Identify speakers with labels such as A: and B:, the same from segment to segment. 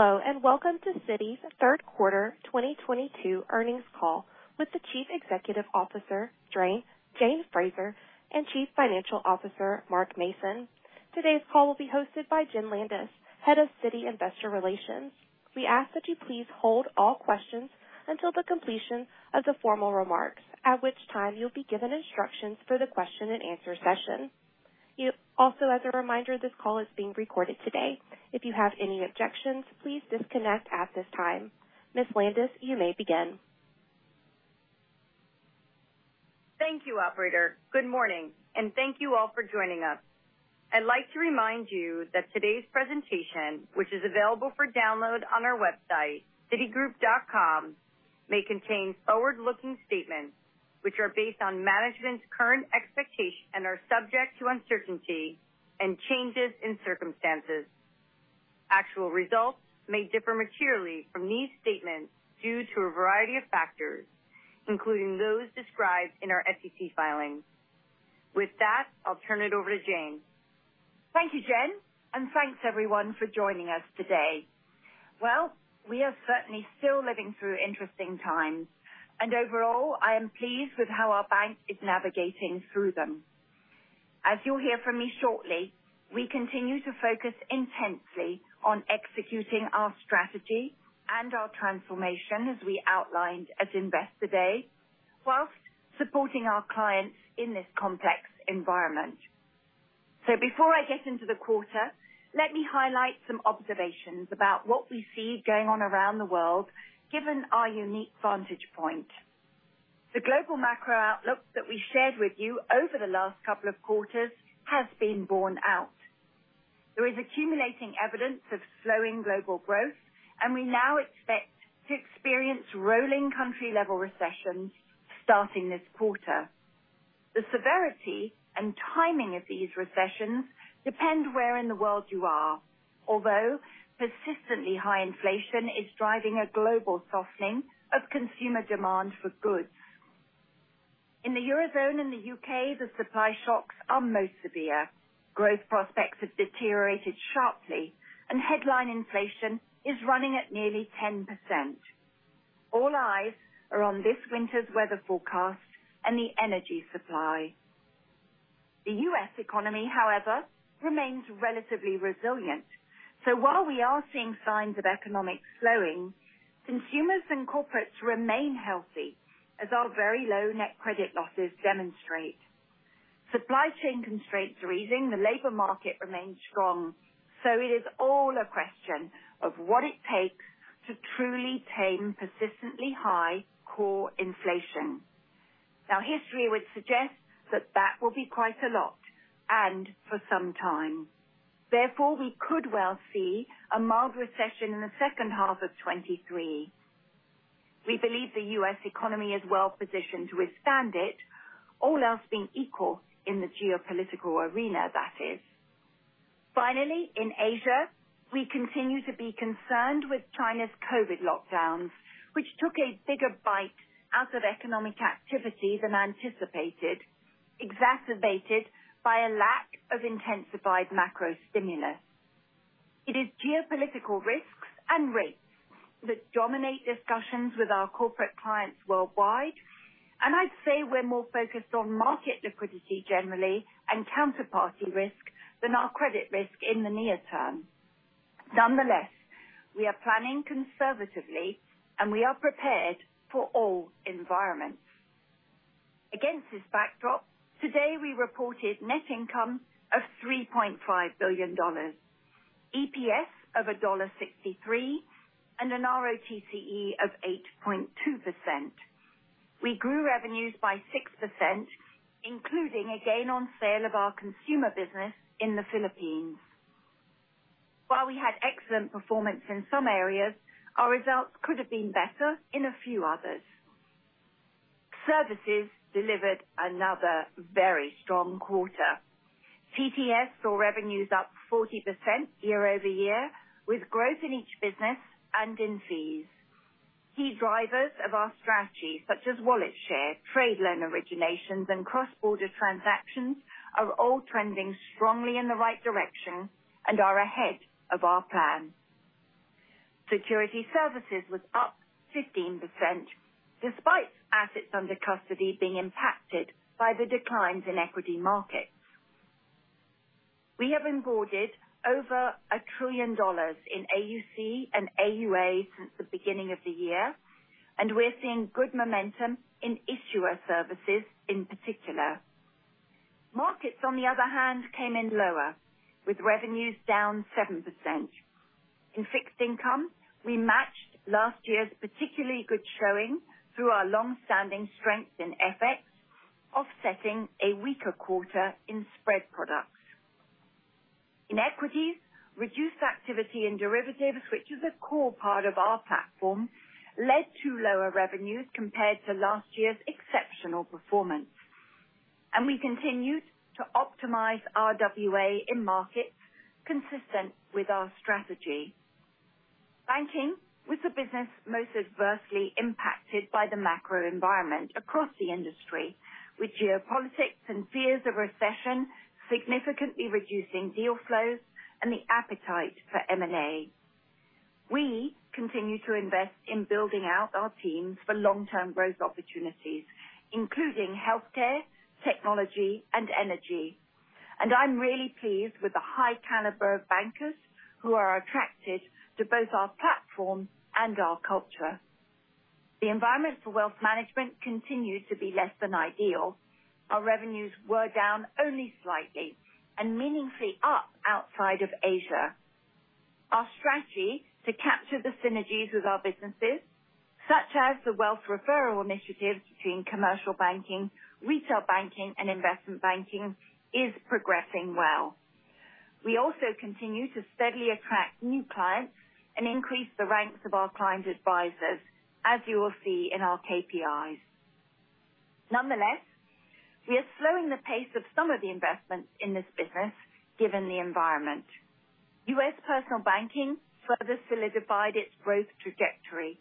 A: Hello, and welcome to Citi's third quarter 2022 earnings call with the Chief Executive Officer, Jane Fraser and Chief Financial Officer, Mark Mason. Today's call will be hosted by Jenn Landis, Head of Citi Investor Relations. We ask that you please hold all questions until the completion of the formal remarks, at which time you'll be given instructions for the question and answer session. Also, as a reminder, this call is being recorded today. If you have any objections, please disconnect at this time. Ms. Landis, you may begin.
B: Thank you, operator. Good morning, and thank you all for joining us. I'd like to remind you that today's presentation, which is available for download on our website, citigroup.com, may contain forward-looking statements, which are based on management's current expectations and are subject to uncertainty and changes in circumstances. Actual results may differ materially from these statements due to a variety of factors, including those described in our SEC filings. With that, I'll turn it over to Jane.
C: Thank you, Jenn, and thanks, everyone, for joining us today. Well, we are certainly still living through interesting times. Overall, I am pleased with how our bank is navigating through them. As you'll hear from me shortly, we continue to focus intensely on executing our strategy and our transformation as we outlined at Investor Day, while supporting our clients in this complex environment. Before I get into the quarter, let me highlight some observations about what we see going on around the world, given our unique vantage point. The global macro outlook that we shared with you over the last couple of quarters has been borne out. There is accumulating evidence of slowing global growth, and we now expect to experience rolling country-level recessions starting this quarter. The severity and timing of these recessions depend where in the world you are. Although persistently high inflation is driving a global softening of consumer demand for goods. In the Eurozone and the UK, the supply shocks are most severe. Growth prospects have deteriorated sharply, and headline inflation is running at nearly 10%. All eyes are on this winter's weather forecast and the energy supply. The US economy, however, remains relatively resilient. While we are seeing signs of economic slowing, consumers and corporates remain healthy, as our very low net credit losses demonstrate. Supply chain constraints are easing. The labor market remains strong. It is all a question of what it takes to truly tame persistently high core inflation. Now, history would suggest that that will be quite a lot, and for some time. Therefore, we could well see a mild recession in the second half of 2023. We believe the US economy is well positioned to withstand it, all else being equal in the geopolitical arena, that is. Finally, in Asia, we continue to be concerned with China's COVID lockdowns, which took a bigger bite out of economic activity than anticipated, exacerbated by a lack of intensified macro stimulus. It is geopolitical risks and rates that dominate discussions with our corporate clients worldwide. I'd say we're more focused on market liquidity generally and counterparty risk than our credit risk in the near term. Nonetheless, we are planning conservatively, and we are prepared for all environments. Against this backdrop, today, we reported net income of $3.5 billion, EPS of $1.63, and an ROTCE of 8.2%. We grew revenues by 6%, including a gain on sale of our consumer business in the Philippines. While we had excellent performance in some areas, our results could have been better in a few others. Services delivered another very strong quarter. TTS saw revenues up 40% year-over-year, with growth in each business and in fees. Key drivers of our strategy, such as wallet share, trade loan originations, and cross-border transactions, are all trending strongly in the right direction and are ahead of our plan. Securities Services was up 15%, despite assets under custody being impacted by the declines in equity markets. We have onboarded over $1 trillion in AUC and AUA since the beginning of the year, and we're seeing good momentum in issuer services in particular. Markets, on the other hand, came in lower, with revenues down 7%. In fixed income, we matched last year's particularly good showing through our longstanding strength in FX, offsetting a weaker quarter in spread products. In equities, reduced activity in derivatives, which is a core part of our platform, led to lower revenues compared to last year's exceptional performance. We continued to optimize RWA in markets consistent with our strategy. Banking. With the business most adversely impacted by the macro environment across the industry, with geopolitics and fears of recession significantly reducing deal flows and the appetite for M&A. We continue to invest in building out our teams for long-term growth opportunities, including healthcare, technology, and energy. I'm really pleased with the high caliber of bankers who are attracted to both our platform and our culture. The environment for wealth management continues to be less than ideal. Our revenues were down only slightly and meaningfully up outside of Asia. Our strategy to capture the synergies with our businesses, such as the wealth referral initiatives between commercial banking, retail banking, and investment banking, is progressing well. We also continue to steadily attract new clients and increase the ranks of our client advisors, as you will see in our KPIs. Nonetheless, we are slowing the pace of some of the investments in this business, given the environment. U.S. personal banking further solidified its growth trajectory.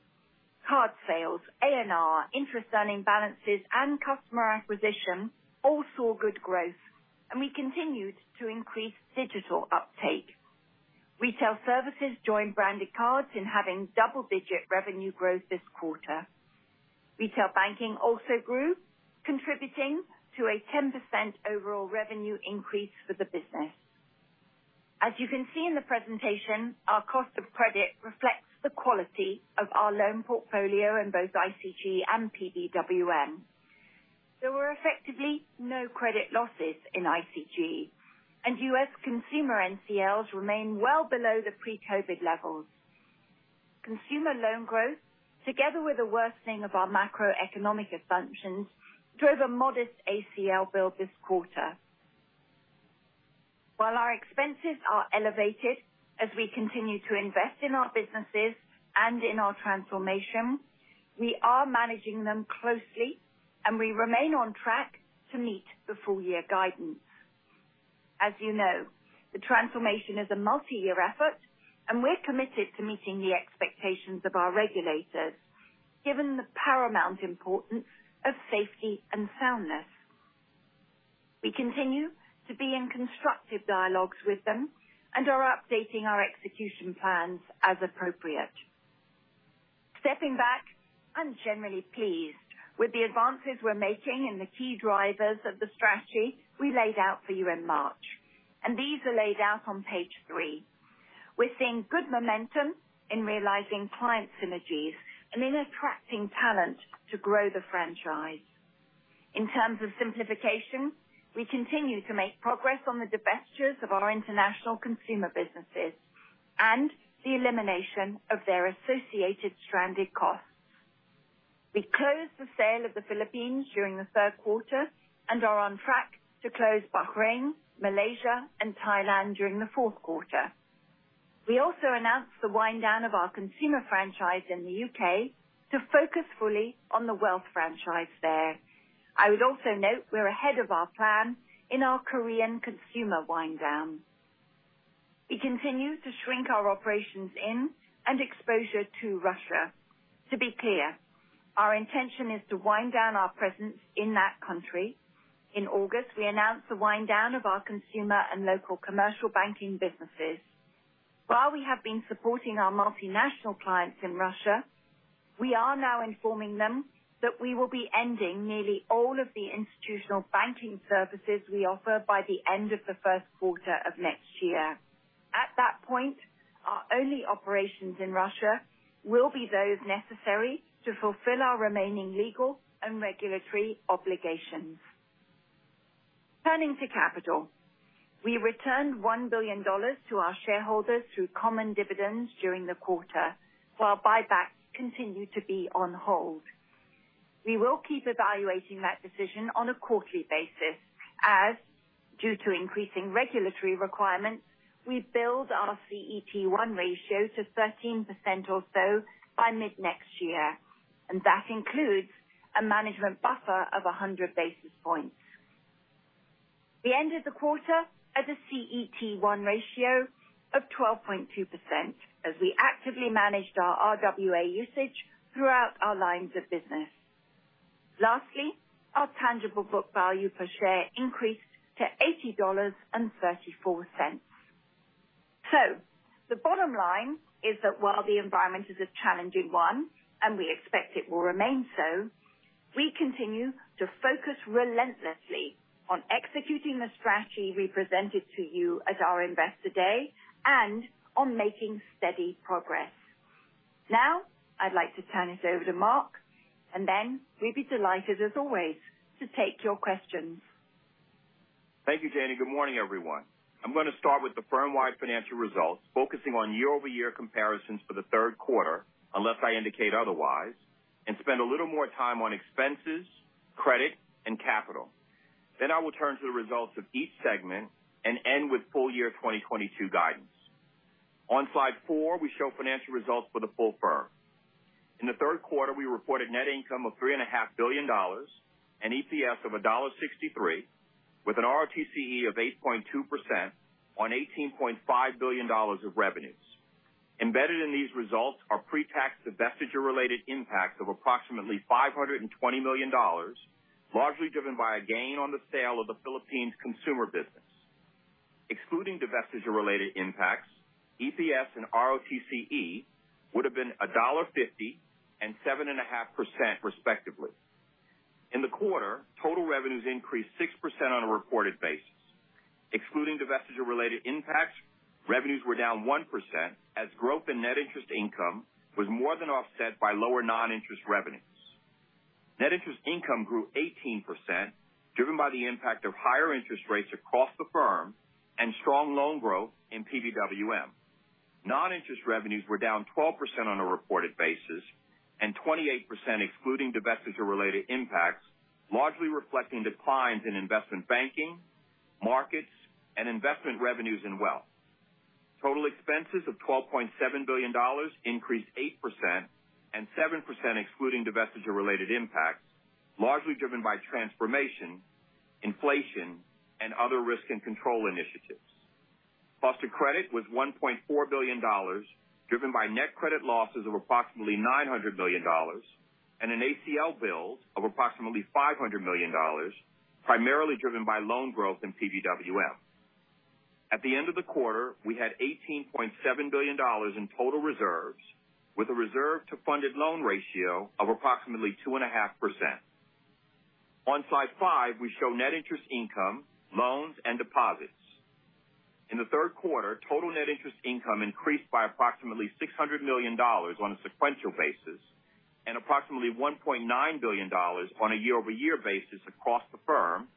C: Card sales, ANR, interest earning balances, and customer acquisition all saw good growth, and we continued to increase digital uptake. Retail services joined branded cards in having double-digit revenue growth this quarter. Retail banking also grew, contributing to a 10% overall revenue increase for the business. As you can see in the presentation, our cost of credit reflects the quality of our loan portfolio in both ICG and PBWM. There were effectively no credit losses in ICG, and U.S. consumer NCLs remain well below the pre-COVID levels. Consumer loan growth, together with the worsening of our macroeconomic assumptions, drove a modest ACL build this quarter. While our expenses are elevated as we continue to invest in our businesses and in our transformation, we are managing them closely, and we remain on track to meet the full year guidance. As you know, the transformation is a multi-year effort, and we're committed to meeting the expectations of our regulators, given the paramount importance of safety and soundness. We continue to be in constructive dialogues with them and are updating our execution plans as appropriate. Stepping back, I'm generally pleased with the advances we're making in the key drivers of the strategy we laid out for you in March, and these are laid out on page three. We're seeing good momentum in realizing client synergies and in attracting talent to grow the franchise. In terms of simplification, we continue to make progress on the divestitures of our international consumer businesses and the elimination of their associated stranded costs. We closed the sale of the Philippines during the third quarter and are on track to close Bahrain, Malaysia, and Thailand during the fourth quarter. We also announced the wind down of our consumer franchise in the UK to focus fully on the wealth franchise there. I would also note we're ahead of our plan in our Korean consumer wind down. We continue to shrink our operations in and exposure to Russia. To be clear, our intention is to wind down our presence in that country. In August, we announced the wind down of our consumer and local commercial banking businesses. While we have been supporting our multinational clients in Russia, we are now informing them that we will be ending nearly all of the institutional banking services we offer by the end of the first quarter of next year. At that point, our only operations in Russia will be those necessary to fulfill our remaining legal and regulatory obligations. Turning to capital. We returned $1 billion to our shareholders through common dividends during the quarter, while buybacks continue to be on hold. We will keep evaluating that decision on a quarterly basis as, due to increasing regulatory requirements, we build our CET1 ratio to 13% or so by mid-next year, and that includes a management buffer of 100 basis points. We ended the quarter at a CET1 ratio of 12.2% as we actively managed our RWA usage throughout our lines of business. Lastly, our tangible book value per share increased to $80.34. The bottom line is that while the environment is a challenging one, and we expect it will remain so, we continue to focus relentlessly on executing the strategy we presented to you at our Investor Day and on making steady progress. Now, I'd like to turn it over to Mark, and then we'd be delighted, as always, to take your questions.
D: Thank you, Jane. Good morning, everyone. I'm gonna start with the firm-wide financial results, focusing on year-over-year comparisons for the third quarter, unless I indicate otherwise, and spend a little more time on expenses, credit, and capital. I will turn to the results of each segment and end with full year 2022 guidance. On slide 4, we show financial results for the full firm. In the third quarter, we reported net income of $3.5 billion and EPS of $1.63 with an ROTCE of 8.2% on $18.5 billion of revenues. Embedded in these results are pre-tax divestiture related impacts of approximately $520 million, largely driven by a gain on the sale of the Philippines consumer business. Excluding divestiture related impacts, EPS and ROTCE would have been $1.50 and 7.5% respectively. In the quarter, total revenues increased 6% on a reported basis. Excluding divestiture related impacts, revenues were down 1% as growth in net interest income was more than offset by lower non-interest revenues. Net interest income grew 18%, driven by the impact of higher interest rates across the firm and strong loan growth in PBWM. Non-interest revenues were down 12% on a reported basis, and 28% excluding divestiture related impacts, largely reflecting declines in investment banking, markets and investment revenues in Wealth. Total expenses of $12.7 billion increased 8% and 7% excluding divestiture related impacts, largely driven by transformation, inflation and other risk and control initiatives. Cost of credit was $1.4 billion, driven by net credit losses of approximately $900 million and an ACL build of approximately $500 million, primarily driven by loan growth in PBWM. At the end of the quarter, we had $18.7 billion in total reserves with a reserve to funded loan ratio of approximately 2.5%. On Slide 5, we show net interest income, loans and deposits. In the third quarter, total net interest income increased by approximately $600 million on a sequential basis and approximately $1.9 billion on a year-over-year basis across the firm,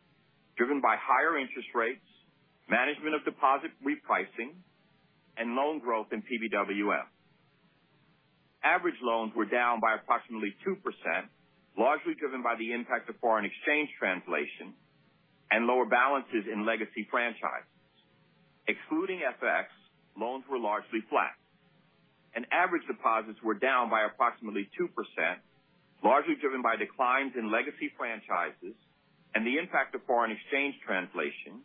D: driven by higher interest rates, management of deposit repricing and loan growth in PBWM. Average loans were down by approximately 2%, largely driven by the impact of foreign exchange translation and lower balances in legacy franchises. Excluding FX, loans were largely flat, and average deposits were down by approximately 2%, largely driven by declines in legacy franchises and the impact of foreign exchange translation,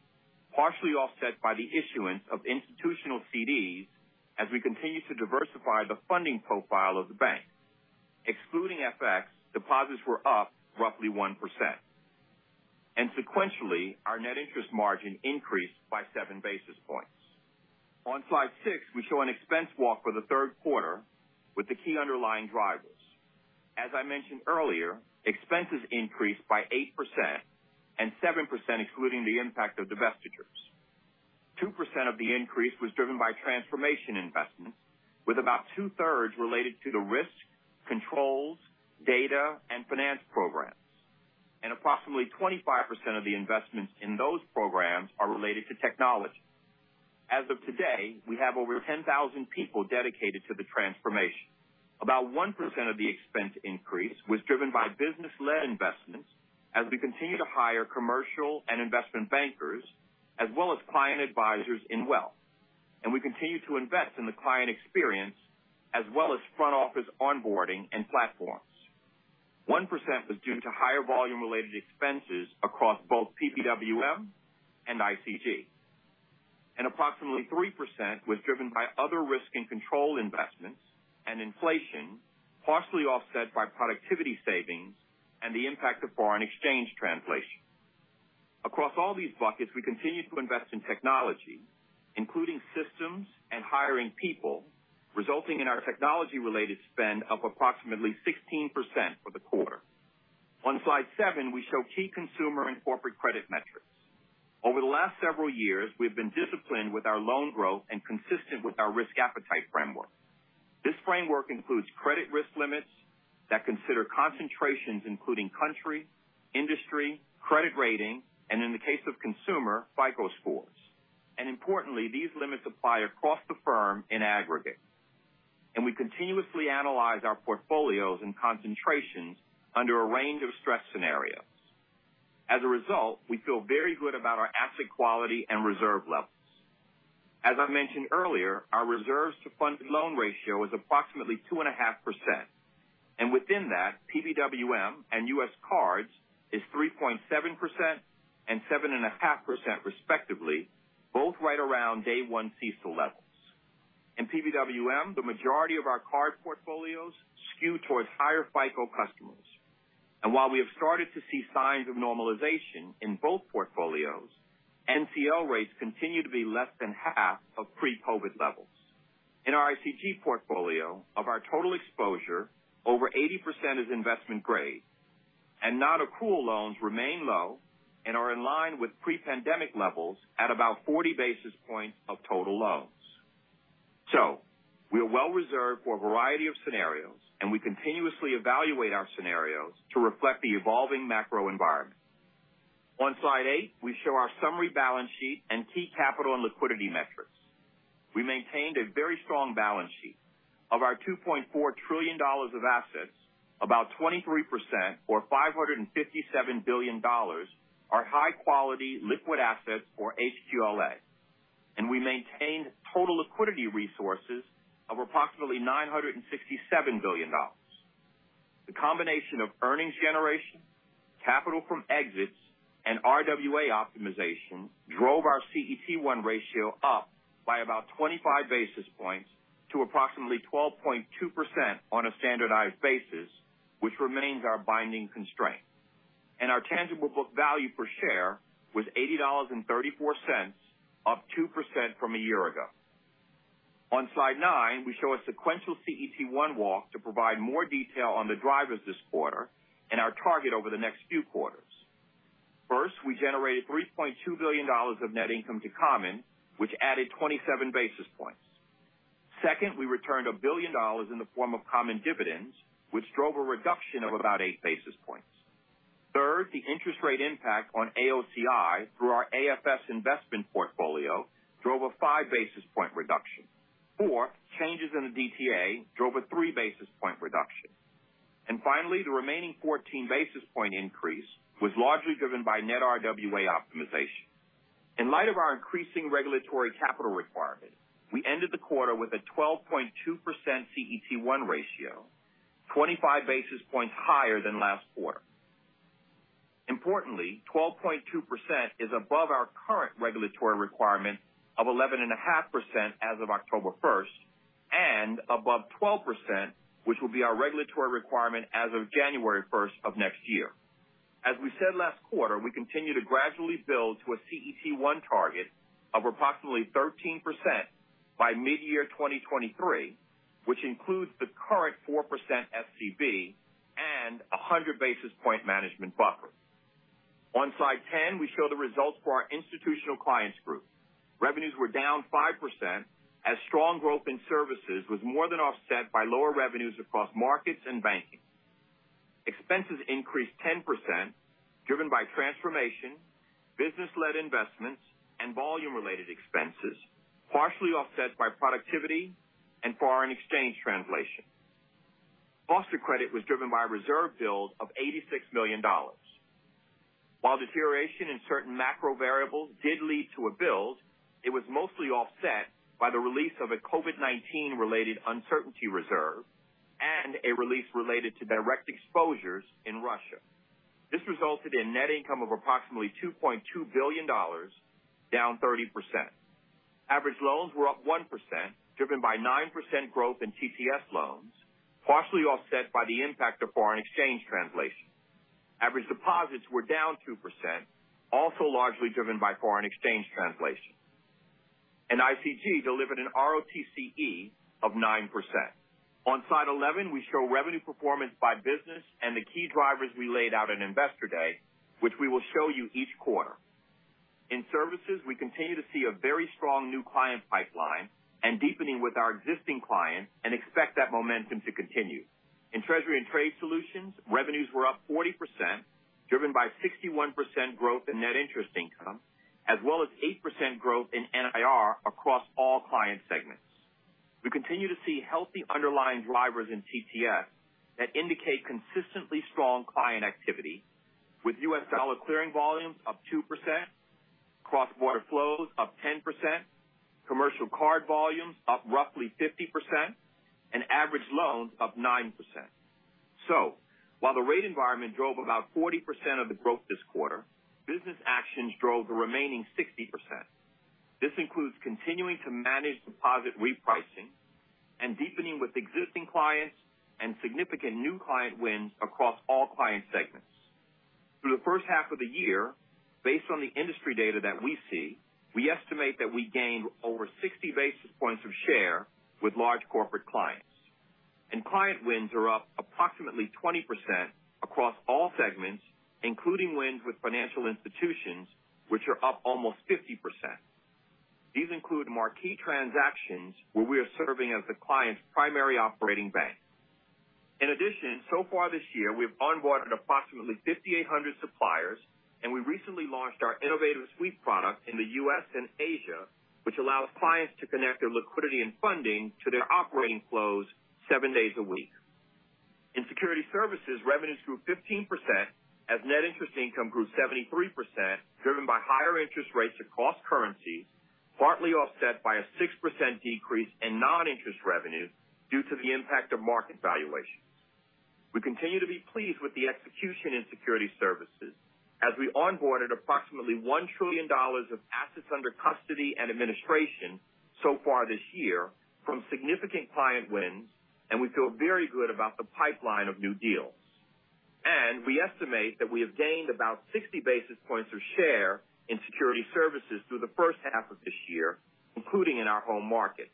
D: partially offset by the issuance of institutional CDs as we continue to diversify the funding profile of the bank. Excluding FX, deposits were up roughly 1%. Sequentially, our net interest margin increased by 7 basis points. On slide 6, we show an expense walk for the third quarter with the key underlying drivers. As I mentioned earlier, expenses increased by 8% and 7% excluding the impact of divestitures. 2% of the increase was driven by transformation investments, with about two-thirds related to the risk, controls, data and finance programs. Approximately 25% of the investments in those programs are related to technology. As of today, we have over 10,000 people dedicated to the transformation. About 1% of the expense increase was driven by business-led investments as we continue to hire commercial and investment bankers as well as client advisors in Wealth. We continue to invest in the client experience as well as front office onboarding and platforms. 1% was due to higher volume related expenses across both PBWM and ICG. Approximately 3% was driven by other risk and control investments and inflation, partially offset by productivity savings and the impact of foreign exchange translation. Across all these buckets, we continue to invest in technology, including systems and hiring people, resulting in our technology related spend of approximately 16% for the quarter. On slide 7, we show key consumer and corporate credit metrics. Over the last several years, we've been disciplined with our loan growth and consistent with our risk appetite framework. This framework includes credit risk limits that consider concentrations including country, industry, credit rating, and in the case of consumer, FICO scores. Importantly, these limits apply across the firm in aggregate, and we continuously analyze our portfolios and concentrations under a range of stress scenarios. As a result, we feel very good about our asset quality and reserve levels. As I mentioned earlier, our reserves to funded loan ratio is approximately 2.5%. Within that, PBWM and US cards is 3.7% and 7.5% respectively, both right around day one CECL levels. In PBWM, the majority of our card portfolios skew towards higher FICO customers. While we have started to see signs of normalization in both portfolios, NCO rates continue to be less than half of pre-COVID levels. In our ICG portfolio of our total exposure, over 80% is investment grade, and non-accrual loans remain low and are in line with pre-pandemic levels at about 40 basis points of total loans. We are well reserved for a variety of scenarios, and we continuously evaluate our scenarios to reflect the evolving macro environment. On slide 8, we show our summary balance sheet and key capital and liquidity metrics. We maintained a very strong balance sheet. Of our $2.4 trillion of assets, about 23% or $557 billion are high quality liquid assets or HQLA. We maintained total liquidity resources of approximately $967 billion. The combination of earnings generation, capital from exits, and RWA optimization drove our CET1 ratio up by about 25 basis points to approximately 12.2% on a standardized basis, which remains our binding constraint. Our tangible book value per share was $80.34, up 2% from a year ago. On slide 9, we show a sequential CET1 walk to provide more detail on the drivers this quarter and our target over the next few quarters. First, we generated $3.2 billion of net income to common, which added 27 basis points. Second, we returned $1 billion in the form of common dividends, which drove a reduction of about 8 basis points. Third, the interest rate impact on AOCI through our AFS investment portfolio drove a 5 basis point reduction. Four, changes in the DTA drove a 3 basis point reduction. Finally, the remaining 14 basis point increase was largely driven by net RWA optimization. In light of our increasing regulatory capital requirement, we ended the quarter with a 12.2% CET1 ratio, 25 basis points higher than last quarter. Importantly, 12.2% is above our current regulatory requirement of 11.5% as of October 1 and above 12%, which will be our regulatory requirement as of January 1 of next year. As we said last quarter, we continue to gradually build to a CET1 target of approximately 13% by mid-year 2023, which includes the current 4% SCB and a 100 basis point management buffer. On slide 10, we show the results for our ICG. Revenues were down 5%, as strong growth in services was more than offset by lower revenues across markets and banking. Expenses increased 10%, driven by transformation, business-led investments, and volume-related expenses, partially offset by productivity and foreign exchange translation. Cost of credit was driven by a reserve build of $86 million. While deterioration in certain macro variables did lead to a build, it was mostly offset by the release of a COVID-19 related uncertainty reserve and a release related to direct exposures in Russia. This resulted in net income of approximately $2.2 billion, down 30%. Average loans were up 1%, driven by 9% growth in TTS loans, partially offset by the impact of foreign exchange translation. Average deposits were down 2%, also largely driven by foreign exchange translation. ICG delivered an ROTCE of 9%. On slide 11, we show revenue performance by business and the key drivers we laid out in Investor Day, which we will show you each quarter. In services, we continue to see a very strong new client pipeline and deepening with our existing clients and expect that momentum to continue. In Treasury and Trade Solutions, revenues were up 40%, driven by 61% growth in net interest income, as well as 8% growth in NIR across all client segments. We continue to see healthy underlying drivers in TTS that indicate consistently strong client activity with US dollar clearing volumes up 2%, cross-border flows up 10%, commercial card volumes up roughly 50%, and average loans up 9%. While the rate environment drove about 40% of the growth this quarter, business actions drove the remaining 60%. This includes continuing to manage deposit repricing and deepening with existing clients and significant new client wins across all client segments. Through the first half of the year, based on the industry data that we see, we estimate that we gained over 60 basis points of share with large corporate clients. Client wins are up approximately 20% across all segments, including wins with financial institutions, which are up almost 50%. These include marquee transactions where we are serving as the client's primary operating bank. In addition, so far this year, we have onboarded approximately 5,800 suppliers, and we recently launched our innovative Citi Suite product in the U.S. and Asia, which allows clients to connect their liquidity and funding to their operating flows seven days a week. In Securities Services, revenues grew 15% as net interest income grew 73%, driven by higher interest rates across currencies, partly offset by a 6% decrease in non-interest revenue due to the impact of market valuation. We continue to be pleased with the execution in Securities Services as we onboarded approximately $1 trillion of assets under custody and administration so far this year from significant client wins, and we feel very good about the pipeline of new deals. We estimate that we have gained about 60 basis points of share in Securities Services through the first half of this year, including in our home market.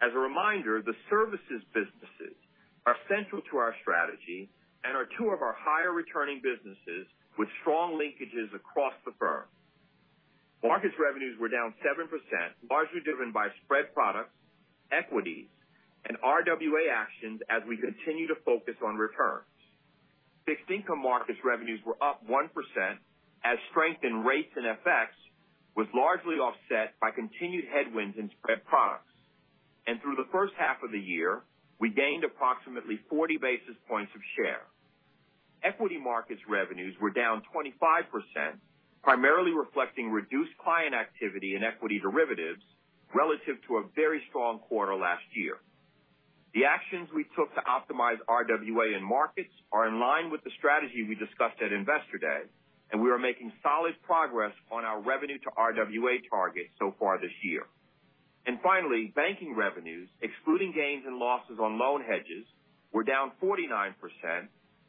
D: As a reminder, the services businesses are central to our strategy and are two of our higher returning businesses with strong linkages across the firm. Markets revenues were down 7%, largely driven by spread products, equities, and RWA actions as we continue to focus on returns. Fixed income markets revenues were up 1%, as strength in rates and FX was largely offset by continued headwinds in spread products. Through the first half of the year, we gained approximately 40 basis points of share. Equity markets revenues were down 25%, primarily reflecting reduced client activity in equity derivatives relative to a very strong quarter last year. The actions we took to optimize RWA in markets are in line with the strategy we discussed at Investor Day, and we are making solid progress on our revenue to RWA targets so far this year. Finally, banking revenues, excluding gains and losses on loan hedges, were down 49%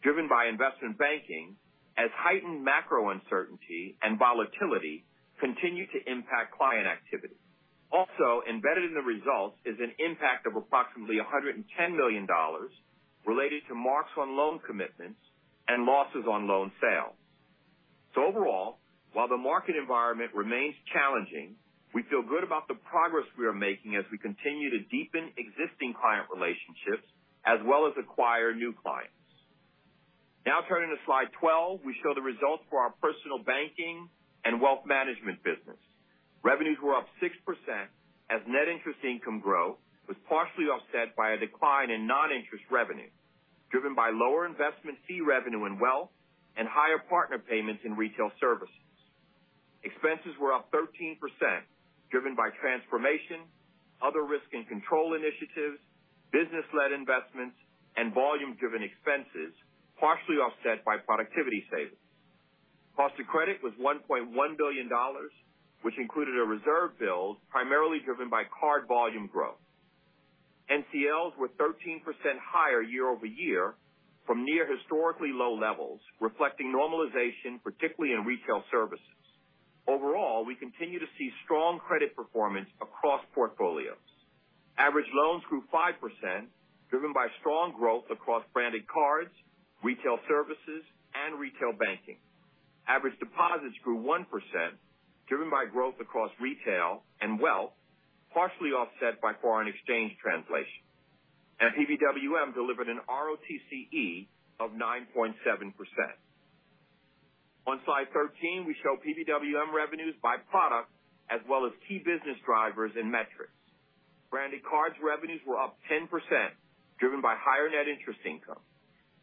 D: driven by investment banking as heightened macro uncertainty and volatility continued to impact client activity. Also embedded in the results is an impact of approximately $110 million related to marks on loan commitments and losses on loan sales. Overall, while the market environment remains challenging, we feel good about the progress we are making as we continue to deepen existing client relationships as well as acquire new clients. Now turning to slide 12, we show the results for our personal banking and wealth management business. Revenues were up 6% as net interest income growth was partially offset by a decline in non-interest revenue, driven by lower investment fee revenue in wealth and higher partner payments in retail services. Expenses were up 13% driven by transformation, other risk and control initiatives, business-led investments and volume-driven expenses, partially offset by productivity savings. Cost of credit was $1.1 billion which included a reserve build primarily driven by card volume growth. NCLs were 13% higher year-over-year from near historically low levels, reflecting normalization, particularly in retail services. Overall, we continue to see strong credit performance across portfolios. Average loans grew 5% driven by strong growth across Branded Cards, Retail Services and retail banking. Average deposits grew 1% driven by growth across retail and wealth, partially offset by foreign exchange translation. PBWM delivered an ROTCE of 9.7%. On slide 13, we show PBWM revenues by product as well as key business drivers and metrics. Branded Cards revenues were up 10% driven by higher net interest income.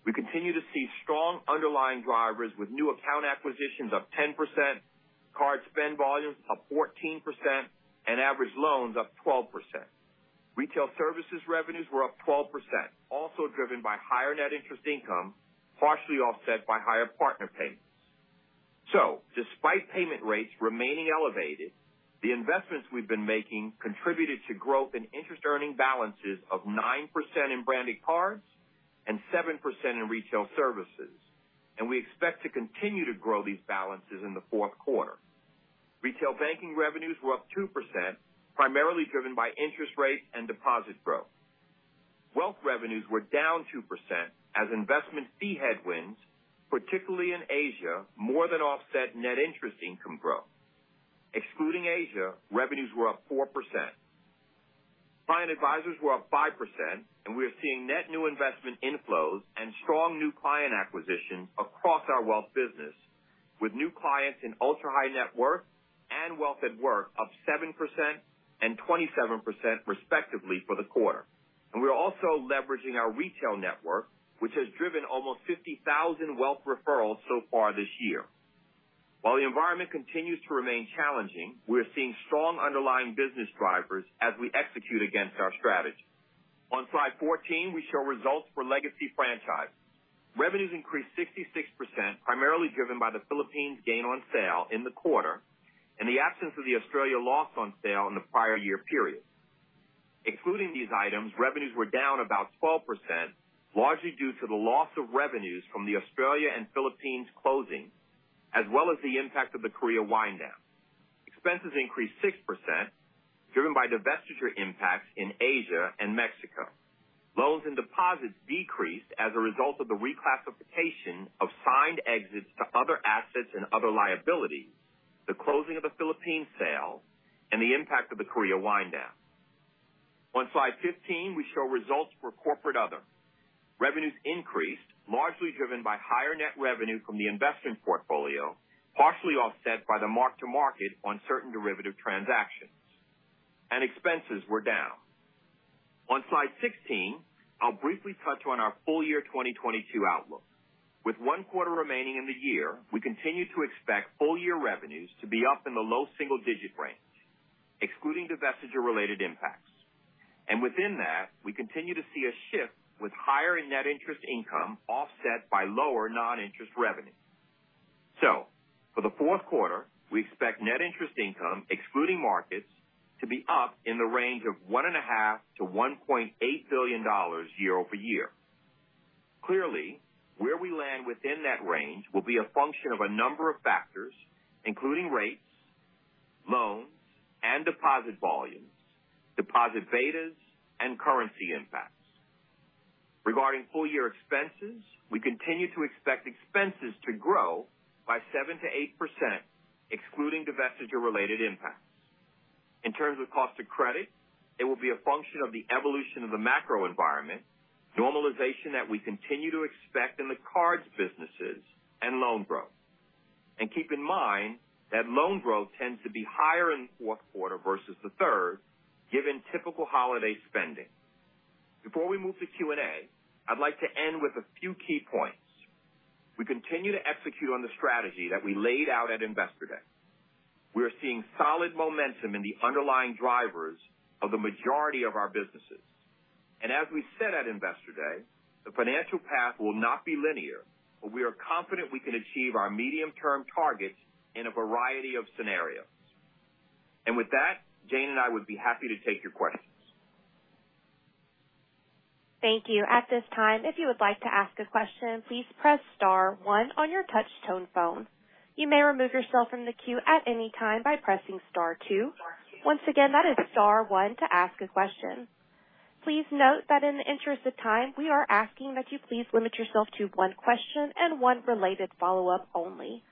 D: We continue to see strong underlying drivers with new account acquisitions up 10%, card spend volumes up 14% and average loans up 12%. Retail Services revenues were up 12%, also driven by higher net interest income, partially offset by higher partner payments. Despite payment rates remaining elevated, the investments we've been making contributed to growth in interest earning balances of 9% in branded cards and 7% in retail services. We expect to continue to grow these balances in the fourth quarter. Retail banking revenues were up 2%, primarily driven by interest rates and deposit growth. Wealth revenues were down 2% as investment fee headwinds, particularly in Asia, more than offset net interest income growth. Excluding Asia, revenues were up 4%. Client advisors were up 5%, and we are seeing net new investment inflows and strong new client acquisition across our wealth business, with new clients in ultra-high net worth and wealth at work up 7% and 27% respectively for the quarter. We're also leveraging our retail network, which has driven almost 50,000 wealth referrals so far this year. While the environment continues to remain challenging, we are seeing strong underlying business drivers as we execute against our strategy. On slide 14, we show results for legacy franchise. Revenues increased 66%, primarily driven by the Philippines gain on sale in the quarter, and the absence of the Australia loss on sale in the prior year period. Excluding these items, revenues were down about 12%, largely due to the loss of revenues from the Australia and Philippines closings, as well as the impact of the Korea wind down. Expenses increased 6% driven by divestiture impacts in Asia and Mexico. Loans and deposits decreased as a result of the reclassification of signed exits to other assets and other liabilities, the closing of the Philippines sale and the impact of the Korea wind down. On slide 15, we show results for corporate other. Revenues increased, largely driven by higher net revenue from the investment portfolio, partially offset by the mark-to-market on certain derivative transactions. Expenses were down. On slide 16, I'll briefly touch on our full-year 2022 outlook. With one quarter remaining in the year, we continue to expect full-year revenues to be up in the low single-digit range, excluding divestiture-related impacts. Within that, we continue to see a shift with higher net interest income offset by lower non-interest revenue. For the fourth quarter, we expect net interest income excluding markets to be up in the range of $1.5 billion-$1.8 billion year-over-year. Clearly, where we land within that range will be a function of a number of factors, including rates, loans and deposit volumes, deposit betas and currency impacts. Regarding full year expenses, we continue to expect expenses to grow by 7%-8% excluding divestiture related impacts. In terms of cost of credit, it will be a function of the evolution of the macro environment, normalization that we continue to expect in the cards business. Loan growth. Keep in mind that loan growth tends to be higher in the fourth quarter versus the third, given typical holiday spending. Before we move to Q&A, I'd like to end with a few key points. We continue to execute on the strategy that we laid out at Investor Day. We are seeing solid momentum in the underlying drivers of the majority of our businesses. As we said at Investor Day, the financial path will not be linear, but we are confident we can achieve our medium-term targets in a variety of scenarios. With that, Jane and I would be happy to take your questions.
E: Thank you. At this time, if you would like to ask a question, please press star one on your touch tone phone. You may remove yourself from the queue at any time by pressing star two. Once again, that is star one to ask a question. Please note that in the interest of time, we are asking that you please limit yourself to one question and one related follow-up only.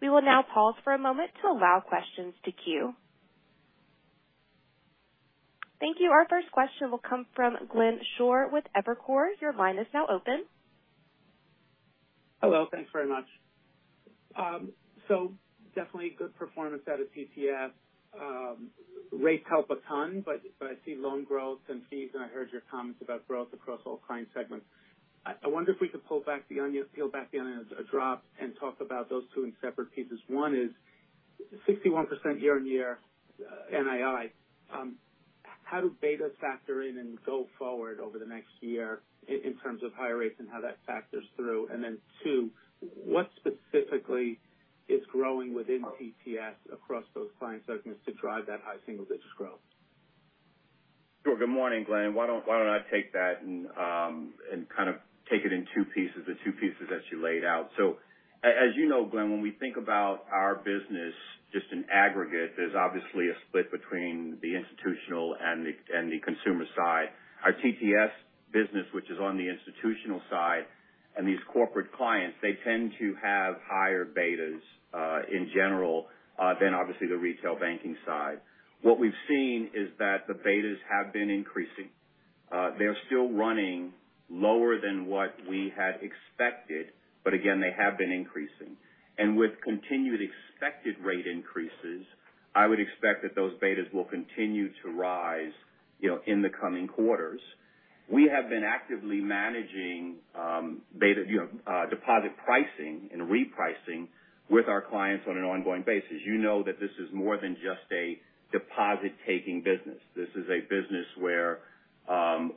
E: We will now pause for a moment to allow questions to queue. Thank you. Our first question will come from Glenn Schorr with Evercore. Your line is now open.
A: Hello. Thanks very much. So definitely good performance out of TTS. Rates help a ton, but I see loan growth and fees, and I heard your comments about growth across all client segments. I wonder if we could peel back the onion a bit and talk about those two in separate pieces. One is 61% year-on-year NII. How do betas factor in and go forward over the next year in terms of higher rates and how that factors through? Then two, what specifically is growing within TTS across those client segments to drive that high single digits growth?
D: Sure. Good morning, Glenn. Why don't I take that and kind of take it in two pieces, the two pieces that you laid out. As you know, Glenn, when we think about our business, just in aggregate, there's obviously a split between the institutional and the consumer side. Our TTS business, which is on the institutional side, and these corporate clients, they tend to have higher betas in general than obviously the retail banking side. What we've seen is that the betas have been increasing. They're still running lower than what we had expected, but again, they have been increasing. With continued expected rate increases, I would expect that those betas will continue to rise, you know, in the coming quarters. We have been actively managing, beta, you know, deposit pricing and repricing with our clients on an ongoing basis. You know that this is more than just a deposit-taking business. This is a business where,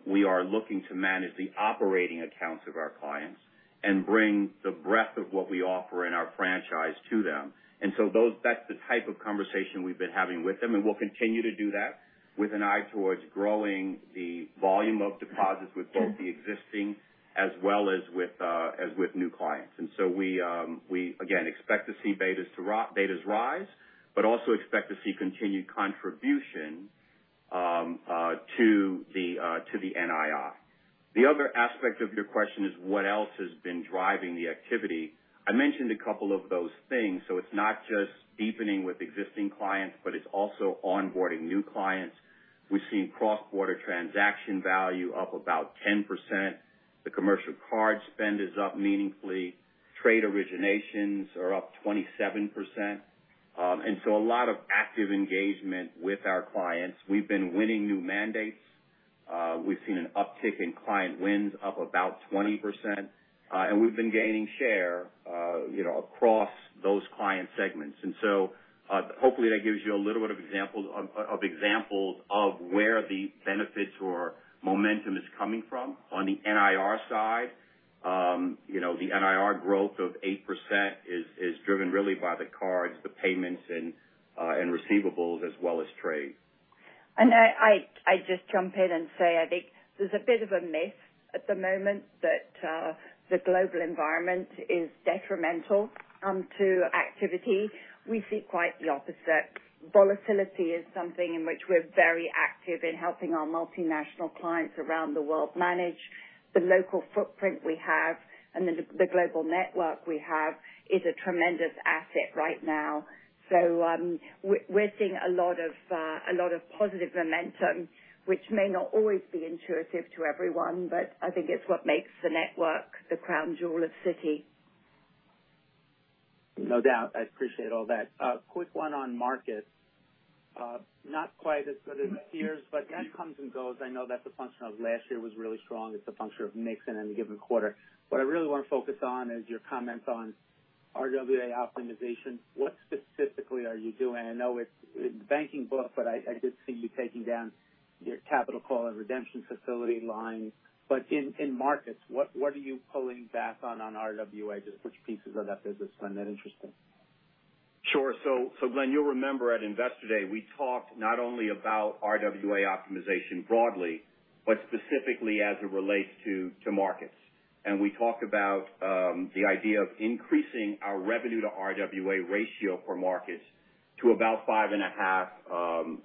D: we are looking to manage the operating accounts of our clients and bring the breadth of what we offer in our franchise to them. That's the type of conversation we've been having with them, and we'll continue to do that with an eye towards growing the volume of deposits with both the existing as well as with new clients. We again expect to see betas rise, but also expect to see continued contribution to the NII. The other aspect of your question is what else has been driving the activity. I mentioned a couple of those things. It's not just deepening with existing clients, but it's also onboarding new clients. We've seen cross-border transaction value up about 10%. The commercial card spend is up meaningfully. Trade originations are up 27%. A lot of active engagement with our clients. We've been winning new mandates. We've seen an uptick in client wins up about 20%. We've been gaining share, you know, across those client segments. Hopefully, that gives you a little bit of examples of where the benefits or momentum is coming from. On the NIR side, the NIR growth of 8% is driven really by the cards, the payments, and receivables as well as trade.
C: I just jump in and say I think there's a bit of a myth at the moment that the global environment is detrimental to activity. We see quite the opposite. Volatility is something in which we're very active in helping our multinational clients around the world manage. The local footprint we have and the global network we have is a tremendous asset right now. We're seeing a lot of positive momentum, which may not always be intuitive to everyone, but I think it's what makes the network the crown jewel of Citi.
A: No doubt. I appreciate all that. Quick one on markets. Not quite as good as peers, but that comes and goes. I know that the function of last year was really strong. It's a function of mix in any given quarter. What I really wanna focus on is your comments on RWA optimization. What specifically are you doing? I know it's banking book, but I did see you taking down your capital call and redemption facility lines. But in markets, what are you pulling back on RWA? Just which pieces of that business find that interesting?
D: Sure. Glenn, you'll remember at Investor Day, we talked not only about RWA optimization broadly, but specifically as it relates to markets. We talked about the idea of increasing our revenue to RWA ratio for markets to about 5.5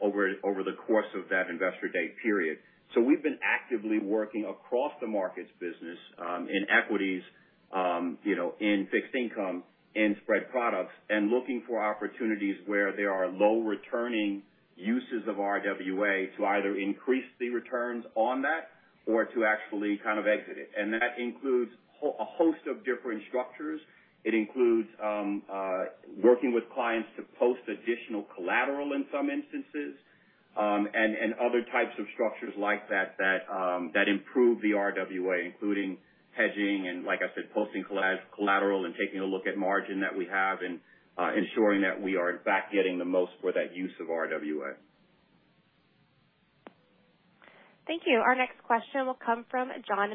D: over the course of that Investor Day period. We've been actively working across the markets business in equities, you know, in fixed income and spread products and looking for opportunities where there are low returning uses of RWA to either increase the returns on that or to actually kind of exit it. That includes a host of different structures. It includes working with clients to post additional collateral in some instances, and other types of structures like that that improve the RWA, including hedging and, like I said, posting collateral and taking a look at margin that we have and ensuring that we are in fact getting the most for that use of RWA.
E: Thank you. Our next question will come from John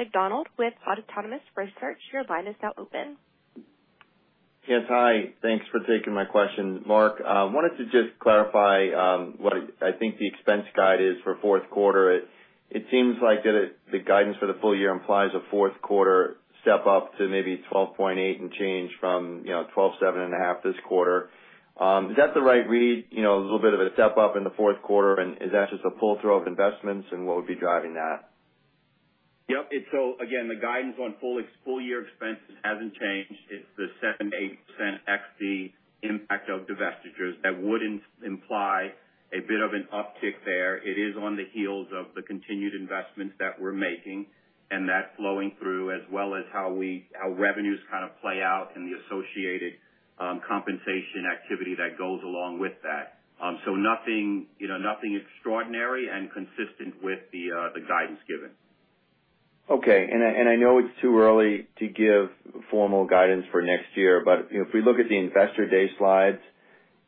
E: McDonald with Autonomous Research. Your line is now open.
F: Yes. Hi. Thanks for taking my question. Mark, I wanted to just clarify what I think the expense guide is for fourth quarter. It seems like the guidance for the full year implies a fourth quarter step up to maybe $12.8 and change from, you know, $12.75 this quarter. Is that the right read? You know, a little bit of a step up in the fourth quarter, and is that just a pull through of investments and what would be driving that?
D: Yep. Again, the guidance on full year expenses hasn't changed. It's the 7%-8% ex-divestiture impact of divestitures that would imply a bit of an uptick there. It is on the heels of the continued investments that we're making and that flowing through as well as how we, how revenues kind of play out in the associated, compensation activity that goes along with that. Nothing, you know, nothing extraordinary and consistent with the guidance given.
F: Okay. I know it's too early to give formal guidance for next year, but, you know, if we look at the Investor Day slides,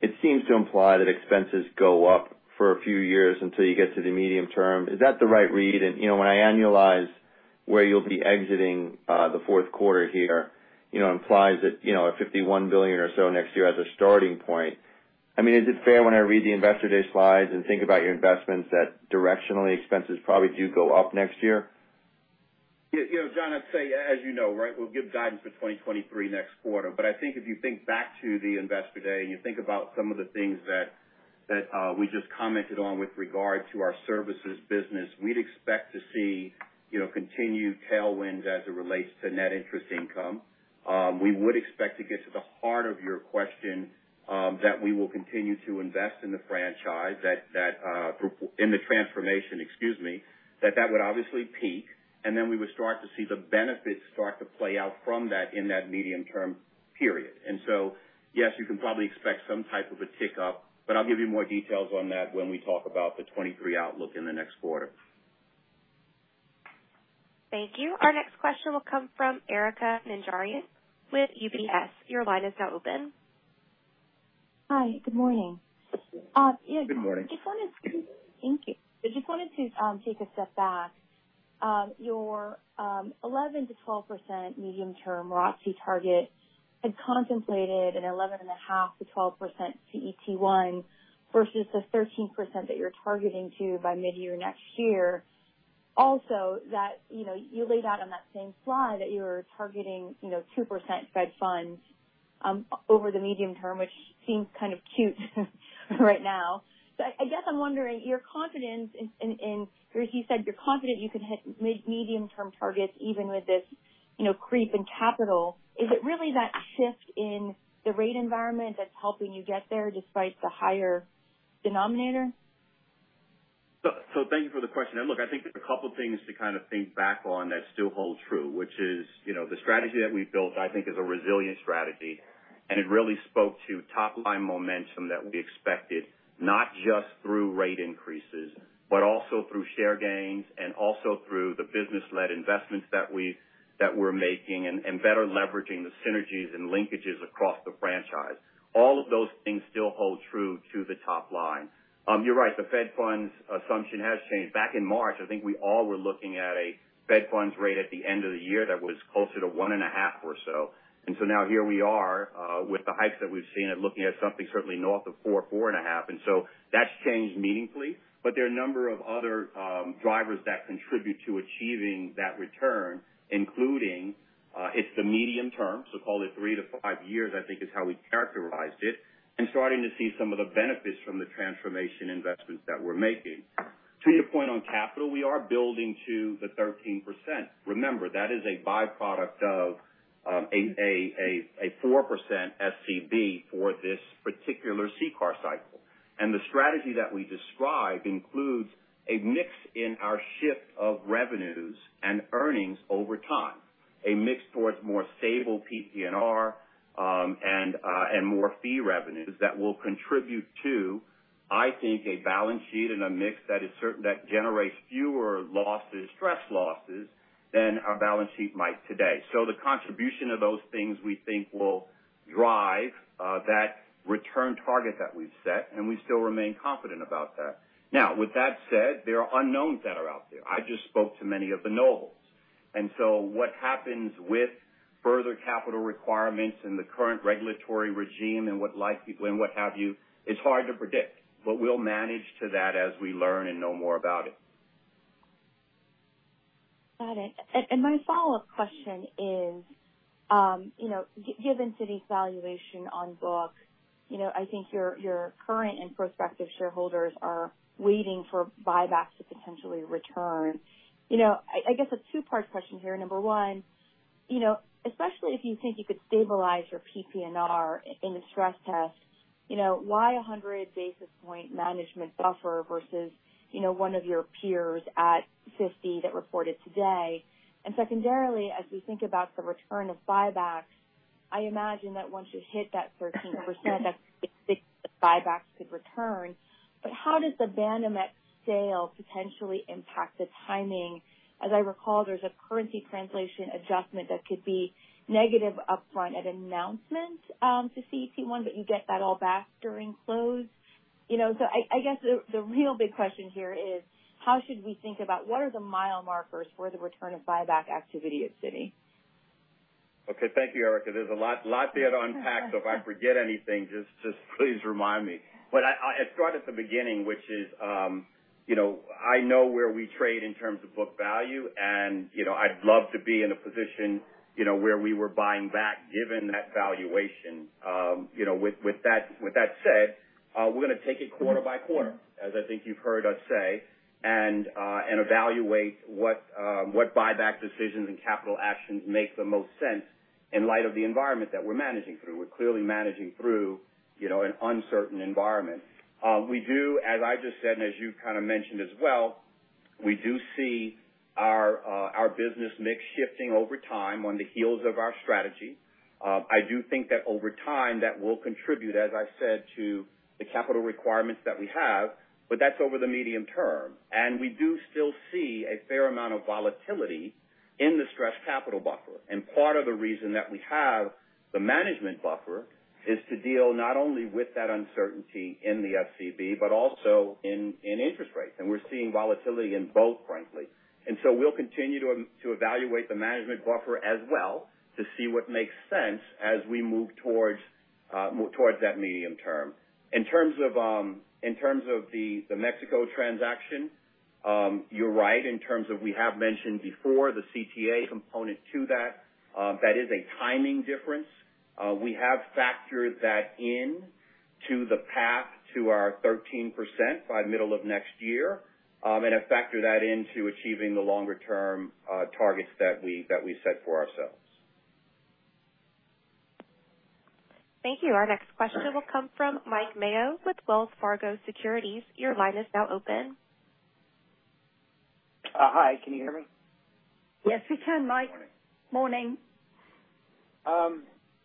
F: it seems to imply that expenses go up for a few years until you get to the medium term. Is that the right read? You know, when I annualize where you'll be exiting the fourth quarter here, you know, implies that, you know, at $51 billion or so next year as a starting point. I mean, is it fair when I read the Investor Day slides and think about your investments that directionally expenses probably do go up next year?
D: Yeah. You know, John, I'd say as you know, right, we'll give guidance for 2023 next quarter. I think if you think back to the Investor Day and you think about some of the things that we just commented on with regard to our services business, we'd expect to see, you know, continued tailwinds as it relates to net interest income. We would expect to get to the heart of your question, that we will continue to invest in the franchise in the transformation, excuse me, that would obviously peak, and then we would start to see the benefits start to play out from that in that medium-term period. Yes, you can probably expect some type of a tick up, but I'll give you more details on that when we talk about the 2023 outlook in the next quarter.
E: Thank you. Our next question will come from Erika Najarian with UBS. Your line is now open.
G: Hi. Good morning.
D: Good morning.
G: Thank you. I just wanted to take a step back. Your 11%-12% medium-term ROTCE target had contemplated an 11.5%-12% CET1 versus the 13% that you're targeting to by midyear next year. Also, that you know, you laid out on that same slide that you were targeting, you know, 2% Fed funds over the medium term, which seems kind of cute right now. I guess I'm wondering, you're confident in or as you said, you're confident you can hit medium-term targets even with this, you know, creep in capital. Is it really that shift in the rate environment that's helping you get there despite the higher denominator?
D: Thank you for the question. Look, I think there's a couple things to kind of think back on that still hold true, which is, you know, the strategy that we built, I think is a resilient strategy, and it really spoke to top line momentum that we expected not just through rate increases, but also through share gains and also through the business-led investments that we're making and better leveraging the synergies and linkages across the franchise. All of those things still hold true to the top line. You're right, the Fed funds assumption has changed. Back in March, I think we all were looking at a Fed funds rate at the end of the year that was closer to 1.5 or so. Now here we are, with the hikes that we've seen and looking at something certainly north of 4%, 4.5%. That's changed meaningfully. There are a number of other drivers that contribute to achieving that return, including, it's the medium term, so call it 3-5 years, I think is how we characterized it, and starting to see some of the benefits from the transformation investments that we're making. To your point on capital, we are building to the 13%. Remember, that is a byproduct of a 4% SCB for this particular CCAR cycle. The strategy that we described includes a mix in our shift of revenues and earnings over time. A mix towards more stable PPNR and more fee revenues that will contribute to, I think, a balance sheet and a mix that is certain, that generates fewer losses, stress losses than our balance sheet might today. The contribution of those things we think will drive that return target that we've set, and we still remain confident about that. Now, with that said, there are unknowns that are out there. I just spoke to many of the knowables. What happens with further capital requirements in the current regulatory regime and what the living will and what have you, it's hard to predict, but we'll manage to that as we learn and know more about it.
G: Got it. My follow-up question is, given Citi's valuation on books, you know, I think your current and prospective shareholders are waiting for buybacks to potentially return. You know, I guess a two-part question here. Number one, you know, especially if you think you could stabilize your PPNR in the stress test, you know, why 100 basis points management buffer versus, you know, one of your peers at 50 that reported today? Secondarily, as we think about the return of buybacks, I imagine that once you hit that 13% the buyback could return. But how does the Banamex sale potentially impact the timing? As I recall, there's a currency translation adjustment that could be negative upfront at announcement to CET1, but you get that all back during close. You know, I guess the real big question here is how should we think about what are the mile markers for the return of buyback activity at Citi?
D: Okay. Thank you, Erica. There's a lot there to unpack. If I forget anything, just please remind me. I'll start at the beginning, which is, you know, I know where we trade in terms of book value, and, you know, I'd love to be in a position, you know, where we were buying back given that valuation. You know, with that said, we're gonna take it quarter by quarter, as I think you've heard us say, and evaluate what buyback decisions and capital actions make the most sense in light of the environment that we're managing through. We're clearly managing through, you know, an uncertain environment. We do, as I just said, and as you kind of mentioned as well, we do see our business mix shifting over time on the heels of our strategy. I do think that over time, that will contribute, as I said, to the capital requirements that we have, but that's over the medium term. We do still see a fair amount of volatility in the Stress Capital Buffer. Part of the reason that we have the management buffer is to deal not only with that uncertainty in the SCB, but also in interest rates. We're seeing volatility in both frankly. We'll continue to evaluate the management buffer as well to see what makes sense as we move towards that medium term. In terms of the Mexico transaction, you're right in terms of we have mentioned before the CTA component to that is a timing difference. We have factored that in to the path to our 13% by middle of next year, and have factored that into achieving the longer-term targets that we set for ourselves.
E: Thank you. Our next question will come from Mike Mayo with Wells Fargo Securities. Your line is now open.
H: Hi, can you hear me?
C: Yes, we can, Mike.
H: Morning.
C: Morning.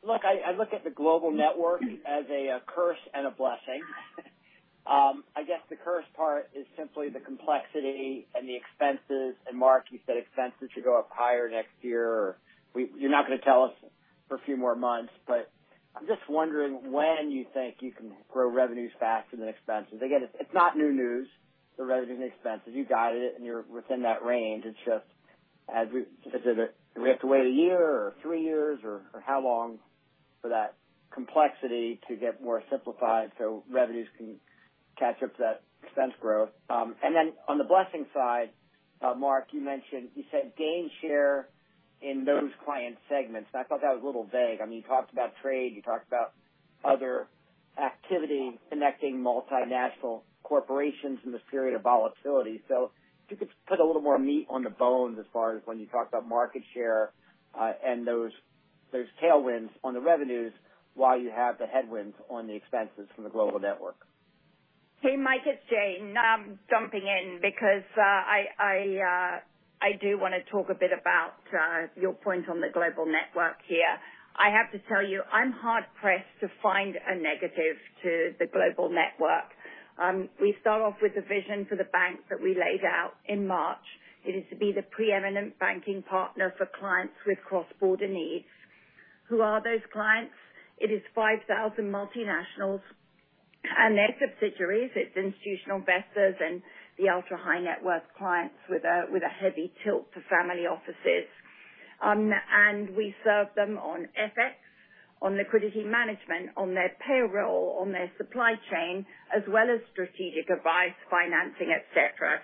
H: Look, I look at the global network as a curse and a blessing. I guess the curse part is simply the complexity and the expenses. Mark, you said expenses should go up higher next year. You're not gonna tell us for a few more months, but I'm just wondering when you think you can grow revenues faster than expenses. Again, it's not new news, the revenues and expenses. You guided it and you're within that range. It's just as we, as in, do we have to wait a year or three years, or how long for that complexity to get more simplified so revenues can catch up to that expense growth? Then on the blessing side, Mark, you mentioned, you said gain share in those client segments, and I thought that was a little vague. I mean, you talked about trade, you talked about other activity connecting multinational corporations in this period of volatility. If you could put a little more meat on the bones as far as when you talked about market share, and those tailwinds on the revenues while you have the headwinds on the expenses from the global network.
C: Hey, Mike, it's Jane. I'm jumping in because I do wanna talk a bit about your point on the global network here. I have to tell you, I'm hard pressed to find a negative to the global network. We start off with the vision for the bank that we laid out in March. It is to be the preeminent banking partner for clients with cross-border needs. Who are those clients? It is 5,000 multinationals and their subsidiaries. It's institutional investors and the ultra-high net worth clients with a heavy tilt to family offices. We serve them on FX, on liquidity management, on their payroll, on their supply chain, as well as strategic advice, financing, et cetera.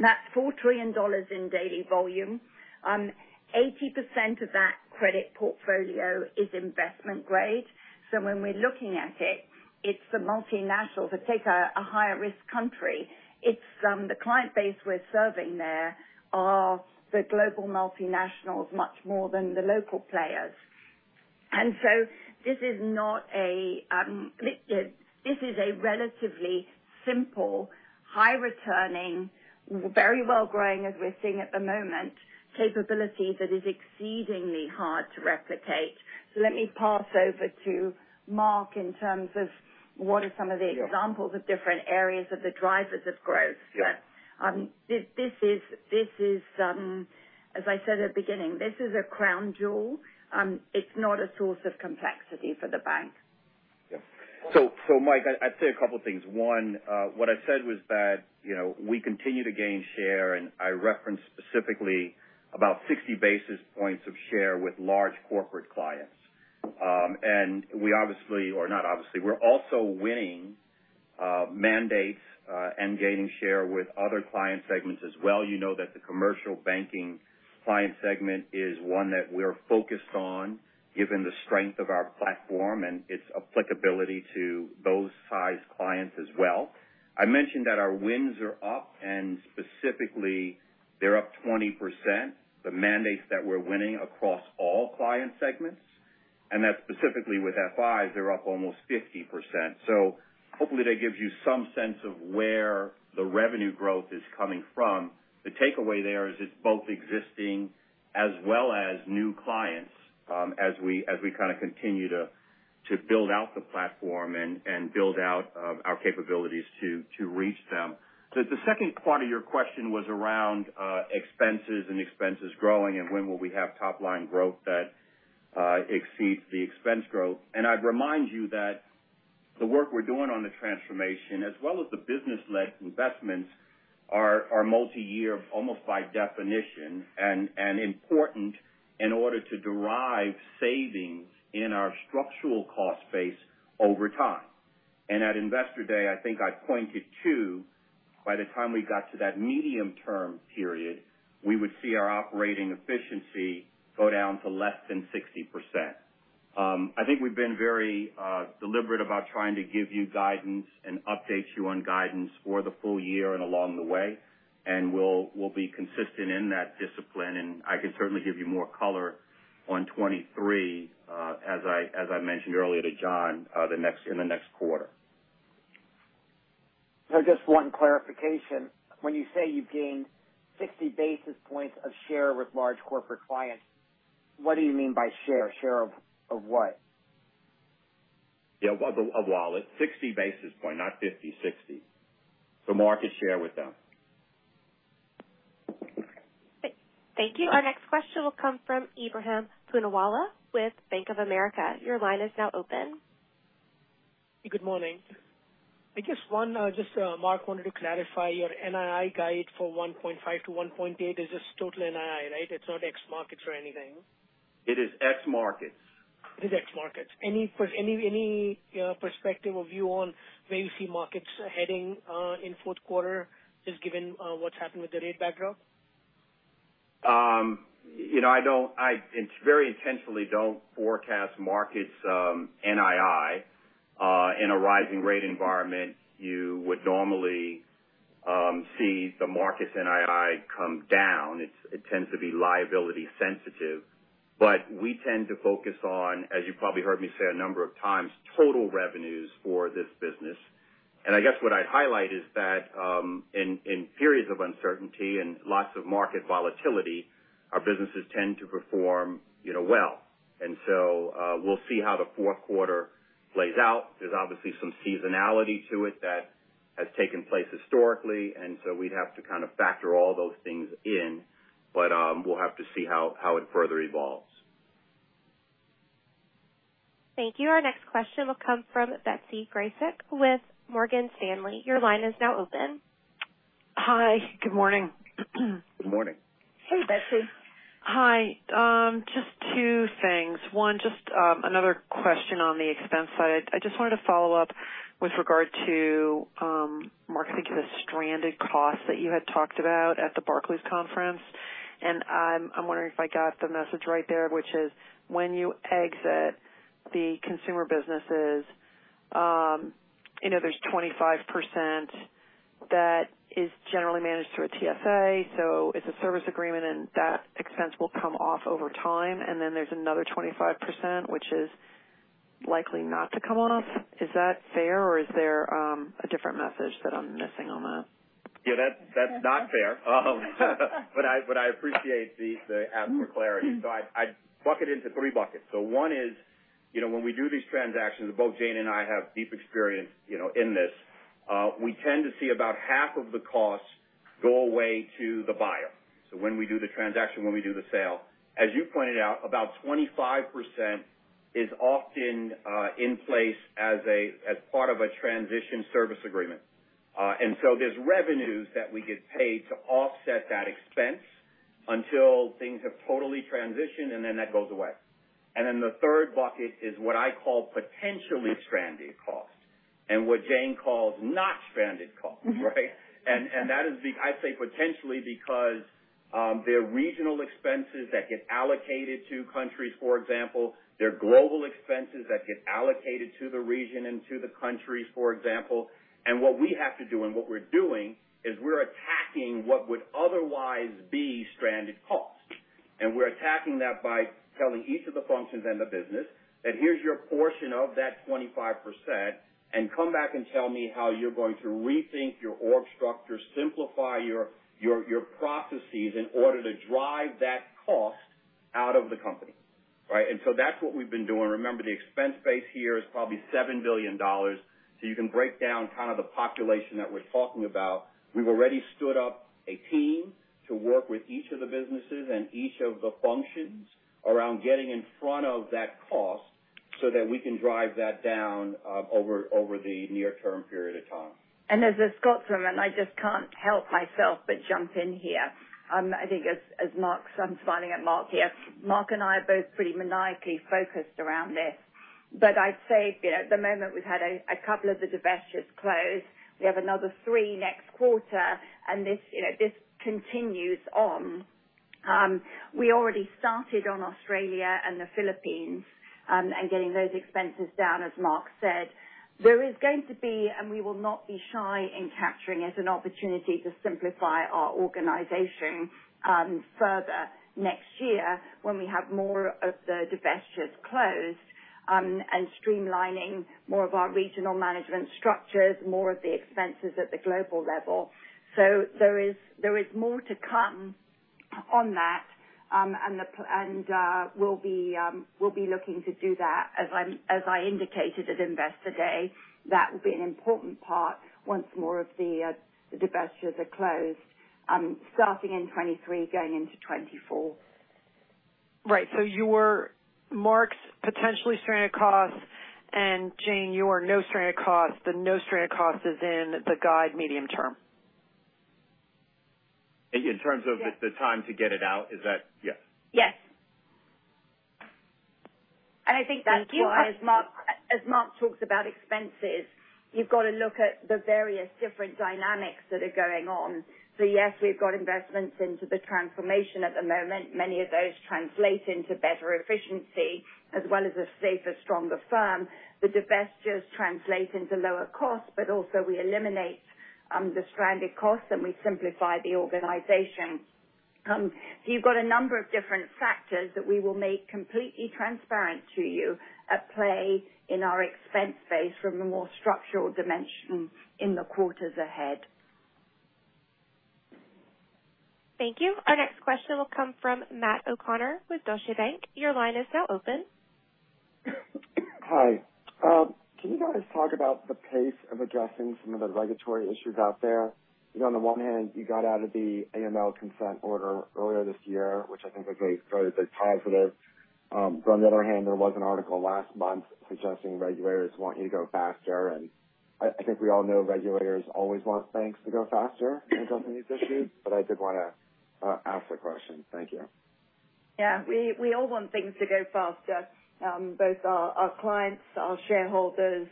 C: That's $4 trillion in daily volume. 80% of that credit portfolio is investment grade. When we're looking at it's the multinationals. Take a higher risk country. It's the client base we're serving there are the global multinationals much more than the local players. This is a relatively simple, high returning, very well growing as we're seeing at the moment, capability that is exceedingly hard to replicate. Let me pass over to Mark in terms of what are some of the examples of different areas of the drivers of growth here. This is, as I said at the beginning, this is a crown jewel. It's not a source of complexity for the bank.
D: So, Mike, I'd say a couple things. One, what I said was that, you know, we continue to gain share, and I referenced specifically about 60 basis points of share with large corporate clients. And we obviously, or not obviously, we're also winning mandates, and gaining share with other client segments as well. You know that the commercial banking client segment is one that we're focused on given the strength of our platform and its applicability to those size clients as well. I mentioned that our wins are up, and specifically, they're up 20%, the mandates that we're winning across all client segments. That specifically with FIs, they're up almost 50%. Hopefully that gives you some sense of where the revenue growth is coming from. The takeaway there is it's both existing as well as new clients, as we kind of continue to build out the platform and build out our capabilities to reach them. The second part of your question was around expenses and expenses growing, and when will we have top line growth that exceeds the expense growth. I'd remind you that the work we're doing on the transformation as well as the business-led investments are multi-year almost by definition, and important in order to derive savings in our structural cost base over time. At Investor Day, I think I pointed to, by the time we got to that medium-term period, we would see our operating efficiency go down to less than 60%. I think we've been very deliberate about trying to give you guidance and update you on guidance for the full year and along the way, and we'll be consistent in that discipline. I can certainly give you more color on 2023, as I mentioned earlier to John, in the next quarter.
H: Just one clarification. When you say you've gained 60 basis points of share with large corporate clients, what do you mean by share? Share of what?
D: Yeah. Of the wallet. 60 basis points, not 50, 60. Market share with them.
E: Thank you. Our next question will come from Ebrahim Poonawala with Bank of America. Your line is now open.
I: Good morning. I guess one, just, Mark, wanted to clarify your NII guide for 1.5-1.8 is just total NII, right? It's not ex markets or anything.
D: It is ex markets.
I: It is ex markets. Any perspective or view on where you see markets heading in fourth quarter just given what's happened with the rate backdrop?
D: You know, I very intentionally don't forecast Markets NII. In a rising rate environment, you would normally see the Markets NII come down. It tends to be liability sensitive. We tend to focus on, as you probably heard me say a number of times, total revenues for this business. I guess what I'd highlight is that in periods of uncertainty and lots of market volatility, our businesses tend to perform, you know, well. We'll see how the fourth quarter plays out. There's obviously some seasonality to it that has taken place historically, and so we'd have to kind of factor all those things in. We'll have to see how it further evolves.
E: Thank you. Our next question will come from Betsy Graseck with Morgan Stanley. Your line is now open.
J: Hi. Good morning.
D: Good morning.
C: Hey, Betsy.
J: Hi. Just two things. One, just another question on the expense side. I just wanted to follow up with regard to Mark, I think it was stranded costs that you had talked about at the Barclays conference. I'm wondering if I got the message right there, which is when you exit the consumer businesses, you know there's 25% that is generally managed through a TSA, so it's a service agreement, and that expense will come off over time. Then there's another 25%, which is likely not to come off. Is that fair, or is there a different message that I'm missing on that?
D: Yeah, that's not fair. I appreciate the ask for clarity. I'd bucket into three buckets. One is, you know, when we do these transactions, both Jane and I have deep experience, you know, in this, we tend to see about half of the costs go away to the buyer. When we do the transaction, when we do the sale. As you pointed out, about 25% is often in place as part of a transition service agreement. There's revenues that we get paid to offset that expense until things have totally transitioned, and then that goes away. The third bucket is what I call potentially stranded costs and what Jane calls not stranded costs. Right? That is the—I say potentially because they're regional expenses that get allocated to countries, for example. They're global expenses that get allocated to the region and to the countries, for example. What we have to do and what we're doing is we're attacking what would otherwise be stranded costs. We're attacking that by telling each of the functions and the business that here's your portion of that 25%, and come back and tell me how you're going to rethink your org structure, simplify your processes in order to drive that cost out of the company, right? That's what we've been doing. Remember, the expense base here is probably $7 billion. You can break down kind of the population that we're talking about. We've already stood up a team to work with each of the businesses and each of the functions around getting in front of that cost so that we can drive that down, over the near-term period of time.
C: As a Scotsman, I just can't help myself but jump in here. I'm smiling at Mark here. Mark and I are both pretty maniacally focused around this. I'd say, you know, at the moment we've had a couple of the divestitures close. We have another three next quarter, and this, you know, this continues on. We already started on Australia and the Philippines, and getting those expenses down, as Mark said. There is going to be, and we will not be shy in capturing it, an opportunity to simplify our organization, further next year when we have more of the divestitures closed, and streamlining more of our regional management structures, more of the expenses at the global level. There is more to come on that. We'll be looking to do that. As I indicated at Investor Day, that will be an important part once more of the divestitures are closed, starting in 2023, going into 2024.
J: Right. Mark's potentially stranded costs, and Jane, you are no stranded costs. The "no stranded costs" is in the guide medium-term.
D: In terms of.
C: Yeah.
D: Is that? Yes.
C: Yes. I think that's why.
K: Thank you.
C: As Mark talks about expenses, you've got to look at the various different dynamics that are going on. Yes, we've got investments into the transformation at the moment. Many of those translate into better efficiency as well as a safer, stronger firm. The divestitures translate into lower cost, but also we eliminate the stranded costs, and we simplify the organization. You've got a number of different factors that we will make completely transparent to you at play in our expense base from a more structural dimension in the quarters ahead.
E: Thank you. Our next question will come from Matt O'Connor with Deutsche Bank. Your line is now open.
L: Hi. Can you guys talk about the pace of addressing some of the regulatory issues out there? You know, on the one hand, you got out of the AML consent order earlier this year, which I think is a very big positive. On the other hand, there was an article last month suggesting regulators want you to go faster. I think we all know regulators always want banks to go faster when it comes to these issues. I did wanna ask the question. Thank you.
C: Yeah. We all want things to go faster. Both our clients, our shareholders,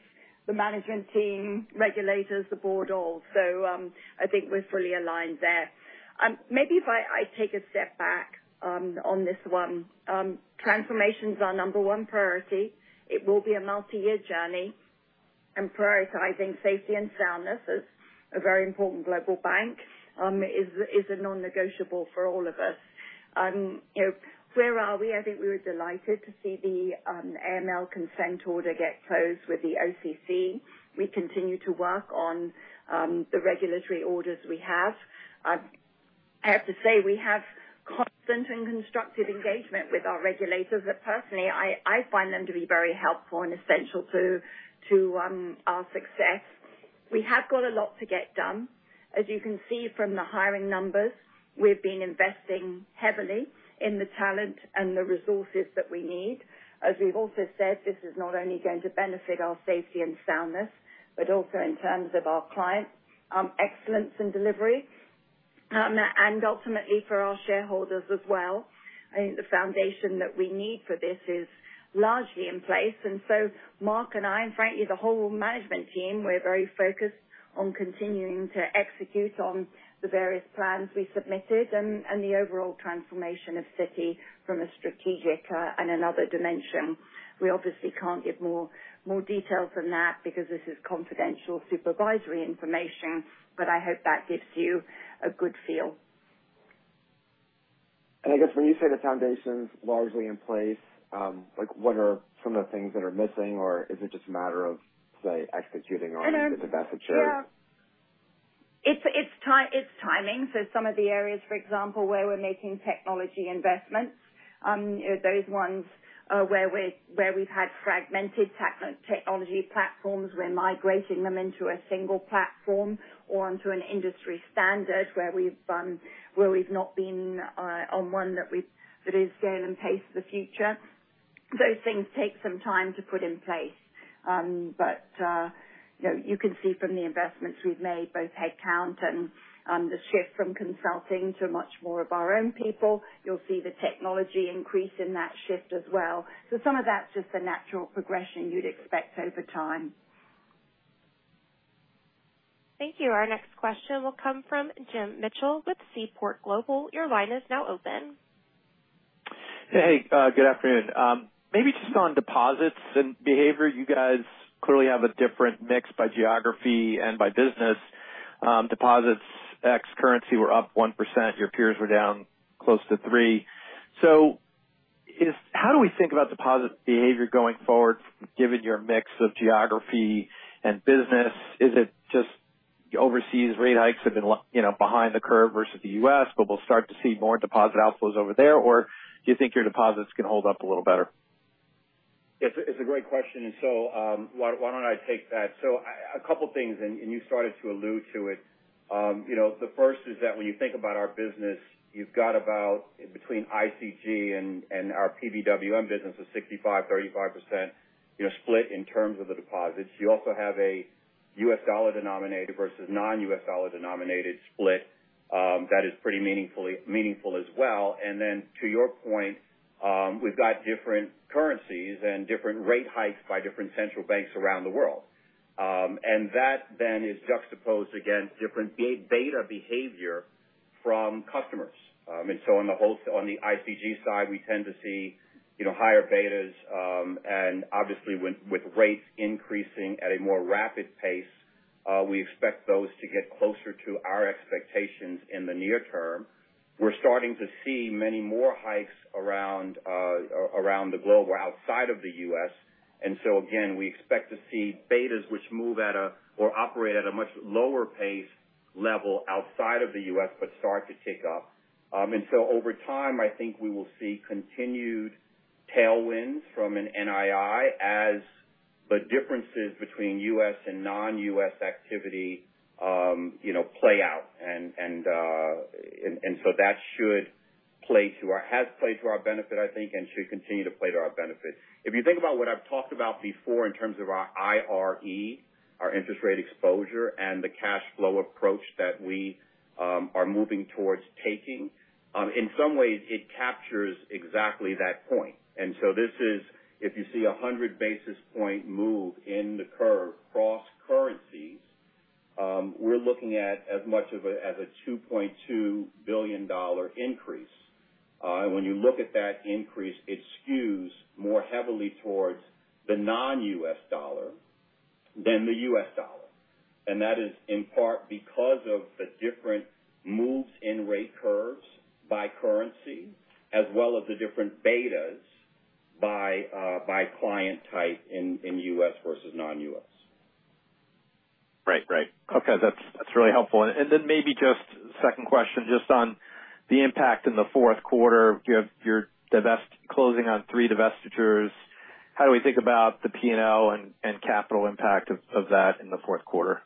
C: the management team, regulators, the board, all. I think we're fully aligned there. Maybe if I take a step back on this one. Transformation's our number one priority. It will be a multi-year journey, and prioritizing safety and soundness as a very important global bank is a non-negotiable for all of us. You know, where are we? I think we were delighted to see the AML consent order get closed with the OCC. We continue to work on the regulatory orders we have. I have to say, we have constant and constructive engagement with our regulators that personally, I find them to be very helpful and essential to our success. We have got a lot to get done. As you can see from the hiring numbers, we've been investing heavily in the talent and the resources that we need. As we've also said, this is not only going to benefit our safety and soundness, but also in terms of our client excellence in delivery, and ultimately for our shareholders as well. I think the foundation that we need for this is largely in place. Mark and I, and frankly, the whole management team, we're very focused on continuing to execute on the various plans we submitted and the overall transformation of Citi from a strategic and another dimension. We obviously can't give more detail than that because this is confidential supervisory information, but I hope that gives you a good feel.
L: I guess when you say the foundation's largely in place, like what are some of the things that are missing? Or is it just a matter of, say, executing on the divestitures?
C: It's timing. Some of the areas, for example, where we're making technology investments, those ones are where we've had fragmented technology platforms, we're migrating them into a single platform or onto an industry standard where we've not been on one that is scale and pace for the future. Those things take some time to put in place. You know, you can see from the investments we've made, both head count and the shift from consulting to much more of our own people. You'll see the technology increase in that shift as well. Some of that's just the natural progression you'd expect over time.
E: Thank you. Our next question will come from Jim Mitchell with Seaport Global. Your line is now open.
K: Hey, good afternoon. Maybe just on deposits and behavior, you guys clearly have a different mix by geography and by business. Deposits ex currency were up 1%. Your peers were down close to 3%. How do we think about deposit behavior going forward, given your mix of geography and business? Is it just overseas rate hikes have been, you know, behind the curve versus the U.S., but we'll start to see more deposit outflows over there? Or do you think your deposits can hold up a little better?
D: It's a great question. Why don't I take that? A couple things, and you started to allude to it. You know, the first is that when you think about our business, you've got about between ICG and our PBWM business is 65/35% split in terms of the deposits. You also have a U.S. dollar-denominated versus non-U.S. dollar-denominated split that is pretty meaningful as well. To your point, we've got different currencies and different rate hikes by different central banks around the world. That then is juxtaposed against different beta behavior from customers. On the whole, on the ICG side, we tend to see, you know, higher betas, and obviously with rates increasing at a more rapid pace, we expect those to get closer to our expectations in the near term. We're starting to see many more hikes around the globe or outside of the U.S. Again, we expect to see betas which move at a or operate at a much lower pace level outside of the U.S., but start to tick up. Over time, I think we will see continued tailwinds from an NII as the differences between U.S. and non-U.S. activity, you know, play out. That should play to our benefit, has played to our benefit, I think, and should continue to play to our benefit. If you think about what I've talked about before in terms of our IRE, our interest-rate exposure, and the cash flow approach that we are moving towards taking, in some ways it captures exactly that point. This is if you see a 100 basis point move in the curve across currencies, we're looking at as much as a $2.2 billion increase. When you look at that increase, it skews more heavily towards the non-U.S. dollar than the U.S. dollar. That is in part because of the different moves in rate curves by currency as well as the different betas by client type in U.S. versus non-U.S.
K: Right. Okay. That's really helpful. Maybe just second question, just on the impact in the fourth quarter. You have your divestiture closing on three divestitures. How do we think about the P&L and capital impact of that in the fourth quarter?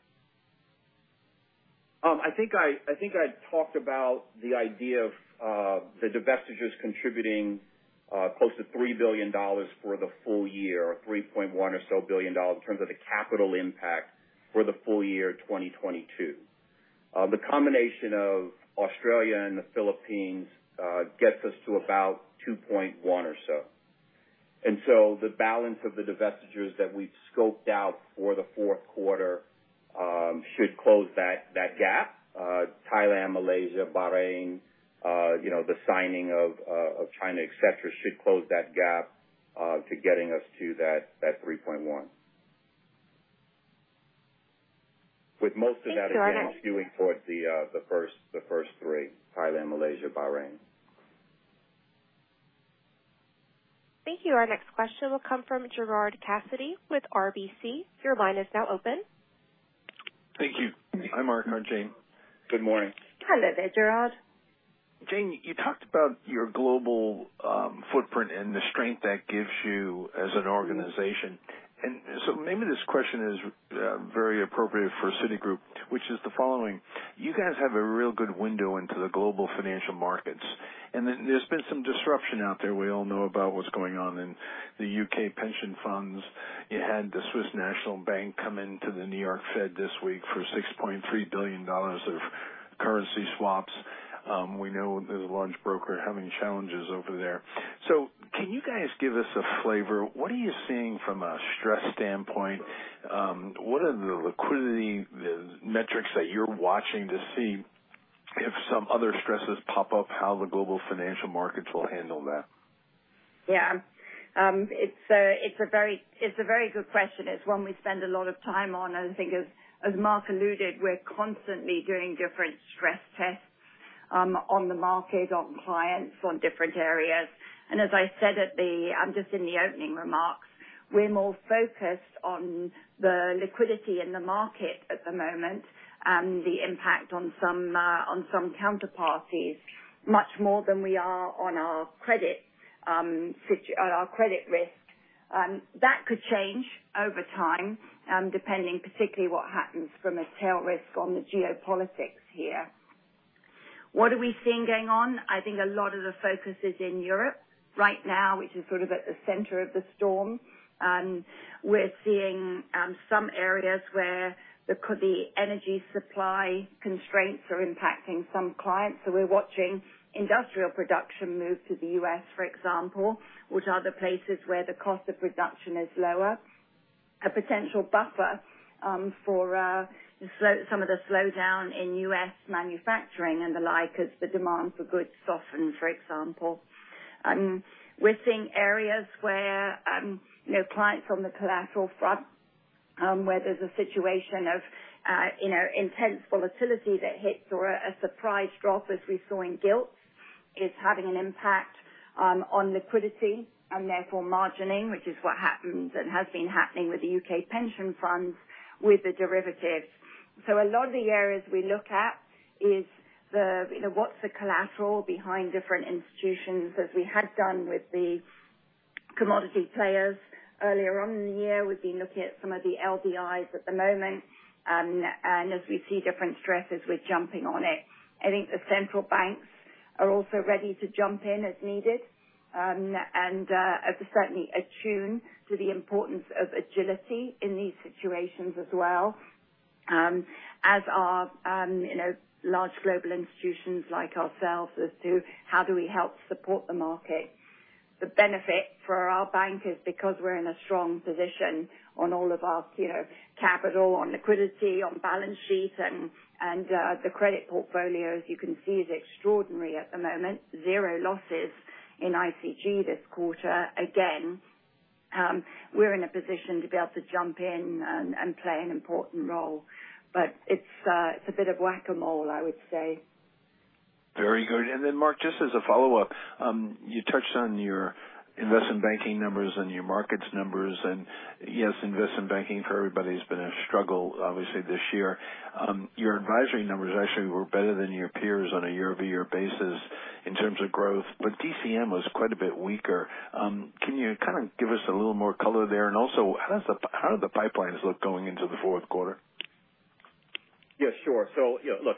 D: I think I talked about the idea of the divestitures contributing close to $3 billion for the full year, or $3.1 billion or so in terms of the capital impact for the full year 2022. The combination of Australia and the Philippines gets us to about $2.1 billion or so. The balance of the divestitures that we've scoped out for the fourth quarter should close that gap. Thailand, Malaysia, Bahrain, you know, the signing of China, et cetera, should close that gap to getting us to that $3.1 billion. With most of that, again, skewing towards the first three, Thailand, Malaysia, Bahrain.
E: Thank you. Our next question will come from Gerard Cassidy with RBC. Your line is now open.
M: Thank you. I'm Mark on Jane.
D: Good morning.
C: Hello there, Gerard.
M: Jane, you talked about your global footprint and the strength that gives you as an organization. Maybe this question is very appropriate for Citigroup, which is the following. You guys have a real good window into the global financial markets. Then there's been some disruption out there. We all know about what's going on in the U.K. pension funds. You had the Swiss National Bank come into the New York Fed this week for $6.3 billion of currency swaps. We know there's a large broker having challenges over there. Can you guys give us a flavor? What are you seeing from a stress standpoint? What are the liquidity, the metrics that you're watching to see if some other stresses pop up, how the global financial markets will handle that?
C: Yeah. It's a very good question. It's one we spend a lot of time on. I think as Mark alluded, we're constantly doing different stress tests on the market, on clients, on different areas. As I said just in the opening remarks, we're more focused on the liquidity in the market at the moment, the impact on some counterparties much more than we are on our credit risk. That could change over time, depending particularly what happens from a tail risk on the geopolitics here. What are we seeing going on? I think a lot of the focus is in Europe right now, which is sort of at the center of the storm. We're seeing some areas where there could be energy supply constraints are impacting some clients. We're watching industrial production move to the U.S., for example, which are the places where the cost of production is lower. A potential buffer for some of the slowdown in U.S. manufacturing and the like as the demand for goods soften, for example. We're seeing areas where, you know, clients on the collateral front, where there's a situation of, you know, intense volatility that hits or a surprise drop as we saw in gilts is having an impact, on liquidity and therefore margining, which is what happens and has been happening with the U.K. pension funds with the derivatives. A lot of the areas we look at is the what's the collateral behind different institutions as we had done with the commodity players earlier on in the year. We've been looking at some of the LDIs at the moment. As we see different stresses, we're jumping on it. I think the central banks are also ready to jump in as needed, and are certainly attuned to the importance of agility in these situations as well, as are large global institutions like ourselves as to how do we help support the market. The benefit for our bank is because we're in a strong position on all of our capital, on liquidity, on balance sheet and the credit portfolio, as you can see, is extraordinary at the moment. Zero losses in ICG this quarter. Again, we're in a position to be able to jump in and play an important role. It's a bit of whack-a-mole, I would say.
M: Very good. Mark, just as a follow-up, you touched on your investment banking numbers and your markets numbers, and yes, investment banking for everybody has been a struggle, obviously, this year. Your advisory numbers actually were better than your peers on a year-over-year basis in terms of growth, but DCM was quite a bit weaker. Can you kind of give us a little more color there? How do the pipelines look going into the fourth quarter?
D: Yes, sure. You know, look,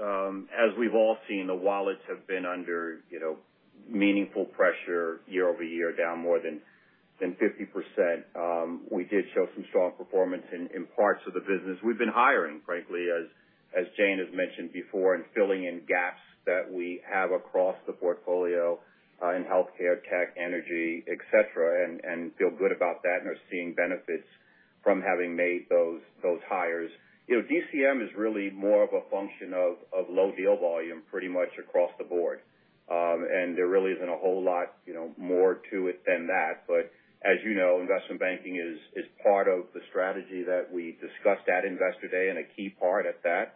D: as we've all seen, the wallets have been under, you know, meaningful pressure year-over-year, down more than 50%. We did show some strong performance in parts of the business. We've been hiring, frankly, as Jane has mentioned before, and filling in gaps that we have across the portfolio, in healthcare, tech, energy, et cetera, and feel good about that. Are seeing benefits from having made those hires. You know, DCM is really more of a function of low deal volume pretty much across the board. There really isn't a whole lot, you know, more to it than that. As you know, investment banking is part of the strategy that we discussed at Investor Day and a key part at that.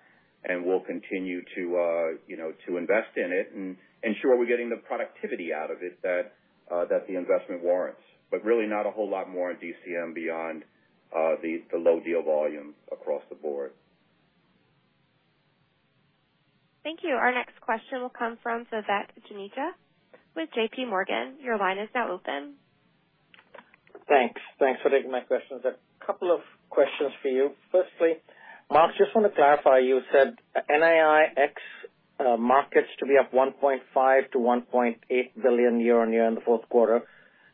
D: We'll continue to, you know, to invest in it and ensure we're getting the productivity out of it that the investment warrants. But really not a whole lot more in DCM beyond the low deal volume across the board.
E: Thank you. Our next question will come from Vivek Juneja with J.P. Morgan. Your line is now open.
N: Thanks. Thanks for taking my questions. A couple of questions for you. Firstly, Mark, just want to clarify, you said NII ex markets to be up $1.5 billion-$1.8 billion year-on-year in the fourth quarter.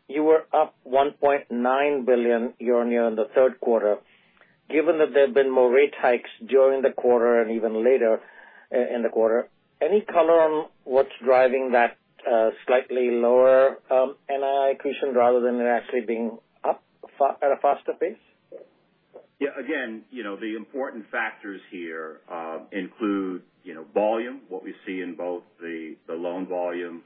N: You were up $1.9 billion year-on-year in the third quarter. Given that there have been more rate hikes during the quarter and even later in the quarter, any color on what's driving that slightly lower NII accretion rather than it actually being up at a faster pace?
D: Yeah. Again, you know, the important factors here include, you know, volume, what we see in both the loan volume,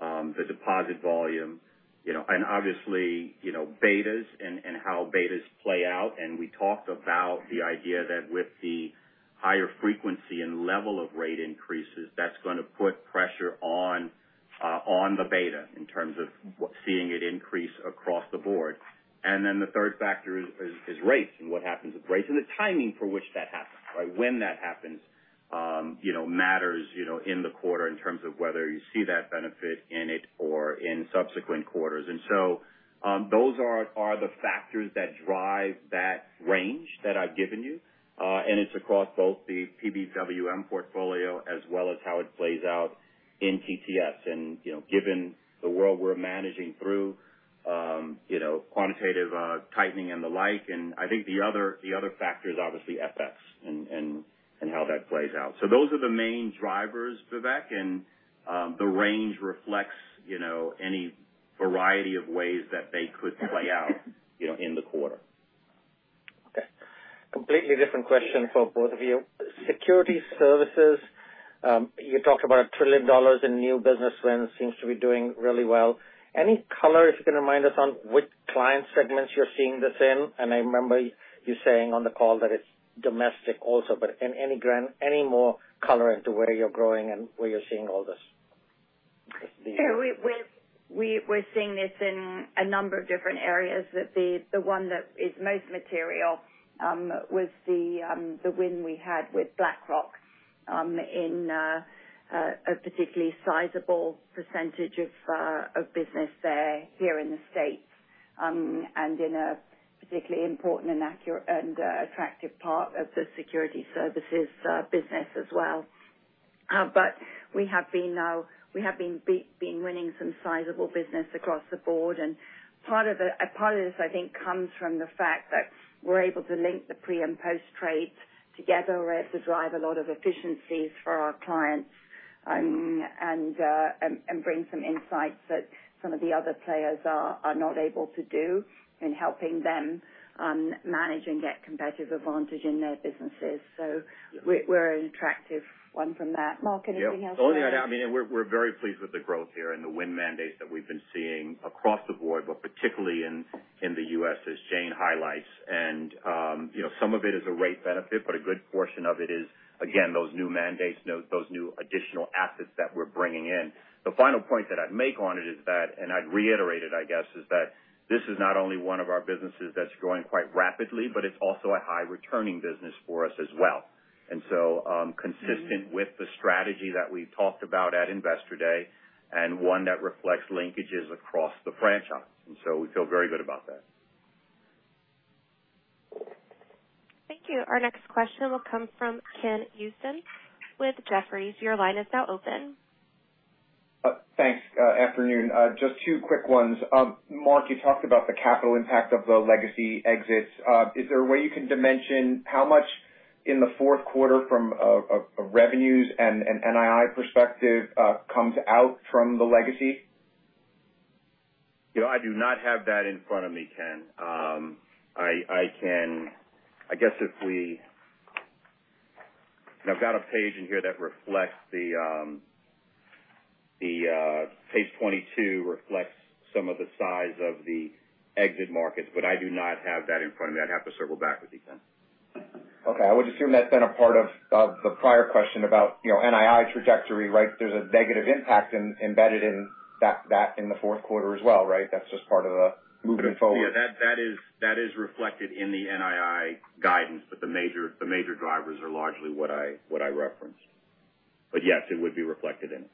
D: the deposit volume, you know. Obviously, you know, betas and how betas play out. We talked about the idea that with the higher frequency and level of rate increases, that's gonna put pressure on the beta in terms of seeing it increase across the board. Then the third factor is rates and what happens with rates. The timing for which that happens, right? When that happens, you know, matters, you know, in the quarter in terms of whether you see that benefit in it or in subsequent quarters. So those are the factors that drive that range that I've given you. It's across both the PBWM portfolio as well as how it plays out in TTS. You know, given the world we're managing through, you know, quantitative tightening and the like. I think the other factor is obviously FX and how that plays out. Those are the main drivers, Vivek, and the range reflects, you know, any variety of ways that they could play out, you know, in the quarter.
N: Okay. Completely different question for both of you. Securities Services, you talked about $1 trillion in new business wins, seems to be doing really well. Any color, if you can remind us, on which client segments you're seeing this in? I remember you saying on the call that it's domestic also, but any more color into where you're growing and where you're seeing all this?
C: Sure. We're seeing this in a number of different areas. The one that is most material was the win we had with BlackRock in a particularly sizable percentage of business there here in the States and in a particularly important and accretive and attractive part of the Securities Services business as well. We have been winning some sizable business across the board, and part of it, a part of this, I think, comes from the fact that we're able to link the pre and post-trades together. We're able to drive a lot of efficiencies for our clients and bring some insights that some of the other players are not able to do in helping them manage and get competitive advantage in their businesses. We're an attractive one from that. Mark, anything else you want to add?
D: Yeah. One thing I'd add, I mean, we're very pleased with the growth here and the winning mandates that we've been seeing across the board, but particularly in the U.S., as Jane highlights. You know, some of it is a rate benefit, but a good portion of it is, again, those new additional assets that we're bringing in. The final point that I'd make on it is that this is not only one of our businesses that's growing quite rapidly, but it's also a high returning business for us as well. Consistent with the strategy that we talked about at Investor Day, and one that reflects linkages across the franchise. We feel very good about that.
E: Thank you. Our next question will come from Ken Usdin with Jefferies. Your line is now open.
O: Thanks. Afternoon. Just two quick ones. Mark, you talked about the capital impact of the legacy exits. Is there a way you can dimension how much in the fourth quarter from a revenues and an NII perspective comes out from the legacy?
D: You know, I do not have that in front of me, Ken. I guess I've got a page in here, page 22, that reflects some of the size of the exit markets, but I do not have that in front of me. I'd have to circle back with you then.
O: Okay. I would assume that's been a part of the prior question about, you know, NII trajectory, right? There's a negative impact embedded in that in the fourth quarter as well, right? That's just part of the movement forward.
D: Yeah, that is reflected in the NII guidance, but the major drivers are largely what I referenced. Yes, it would be reflected in it.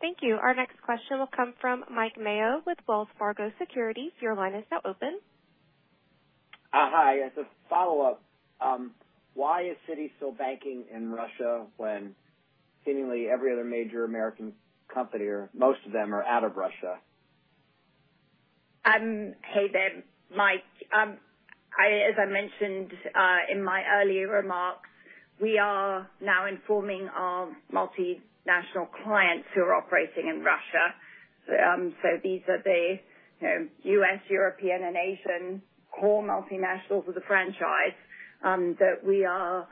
E: Thank you. Our next question will come from Mike Mayo with Wells Fargo Securities. Your line is now open.
H: Hi. As a follow-up, why is Citi still banking in Russia when seemingly every other major American company or most of them are out of Russia?
C: Hey there, Mike. As I mentioned in my earlier remarks, we are now informing our multinational clients who are operating in Russia. These are the, you know, US, European, and Asian core multinationals with a franchise that we are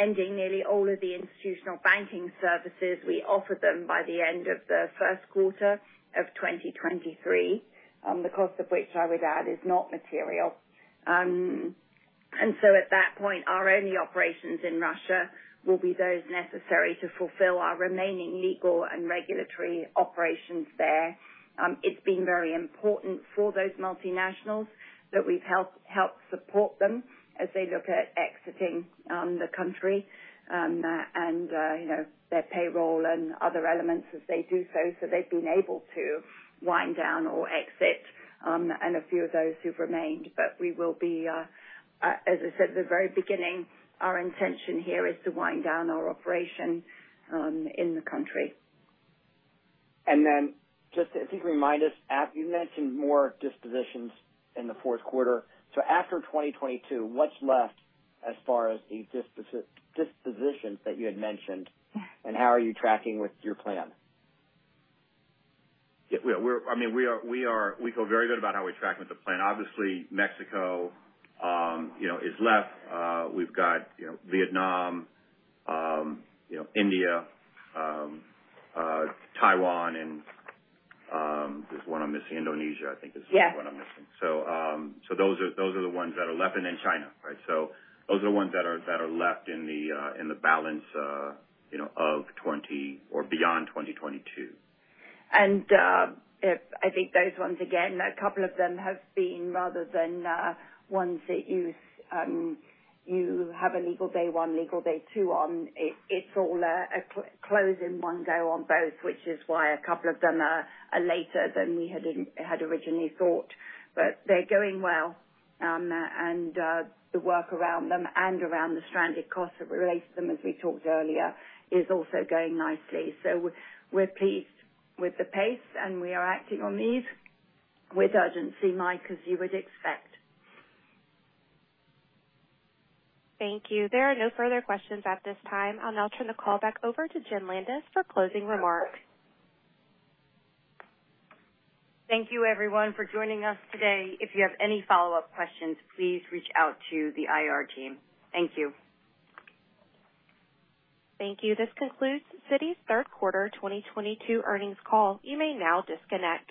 C: ending nearly all of the institutional banking services we offer them by the end of the first quarter of 2023. The cost of which I would add is not material. At that point, our only operations in Russia will be those necessary to fulfill our remaining legal and regulatory operations there. It's been very important for those multinationals that we've helped support them as they look at exiting the country, and you know, their payroll and other elements as they do so they've been able to wind down or exit, and a few of those who've remained. We will be, as I said at the very beginning, our intention here is to wind down our operation in the country.
H: Just if you could remind us. You mentioned more dispositions in the fourth quarter. After 2022, what's left as far as the dispositions that you had mentioned, and how are you tracking with your plan?
D: Yeah, I mean, we feel very good about how we're tracking with the plan. Obviously, Mexico, you know, is left. We've got, you know, Vietnam, you know, India, Taiwan and, there's one I'm missing. Indonesia, I think is-
C: Yes.
D: the one I'm missing. Those are the ones that are left, and then China, right? Those are the ones that are left in the balance, you know, of 2020 or beyond 2022.
C: If I think those ones, again, a couple of them have been rather than ones that you have a legal day one, legal day two on it's all a close in one go on both, which is why a couple of them are later than we had originally thought. They're going well, and the work around them and around the stranded costs that relate to them as we talked earlier, is also going nicely. We're pleased with the pace, and we are acting on these with urgency, Mike, as you would expect.
E: Thank you. There are no further questions at this time. I'll now turn the call back over to Jenn Landis for closing remarks.
B: Thank you everyone for joining us today. If you have any follow-up questions, please reach out to the IR team. Thank you.
E: Thank you. This concludes Citi's third quarter 2022 earnings call. You may now disconnect.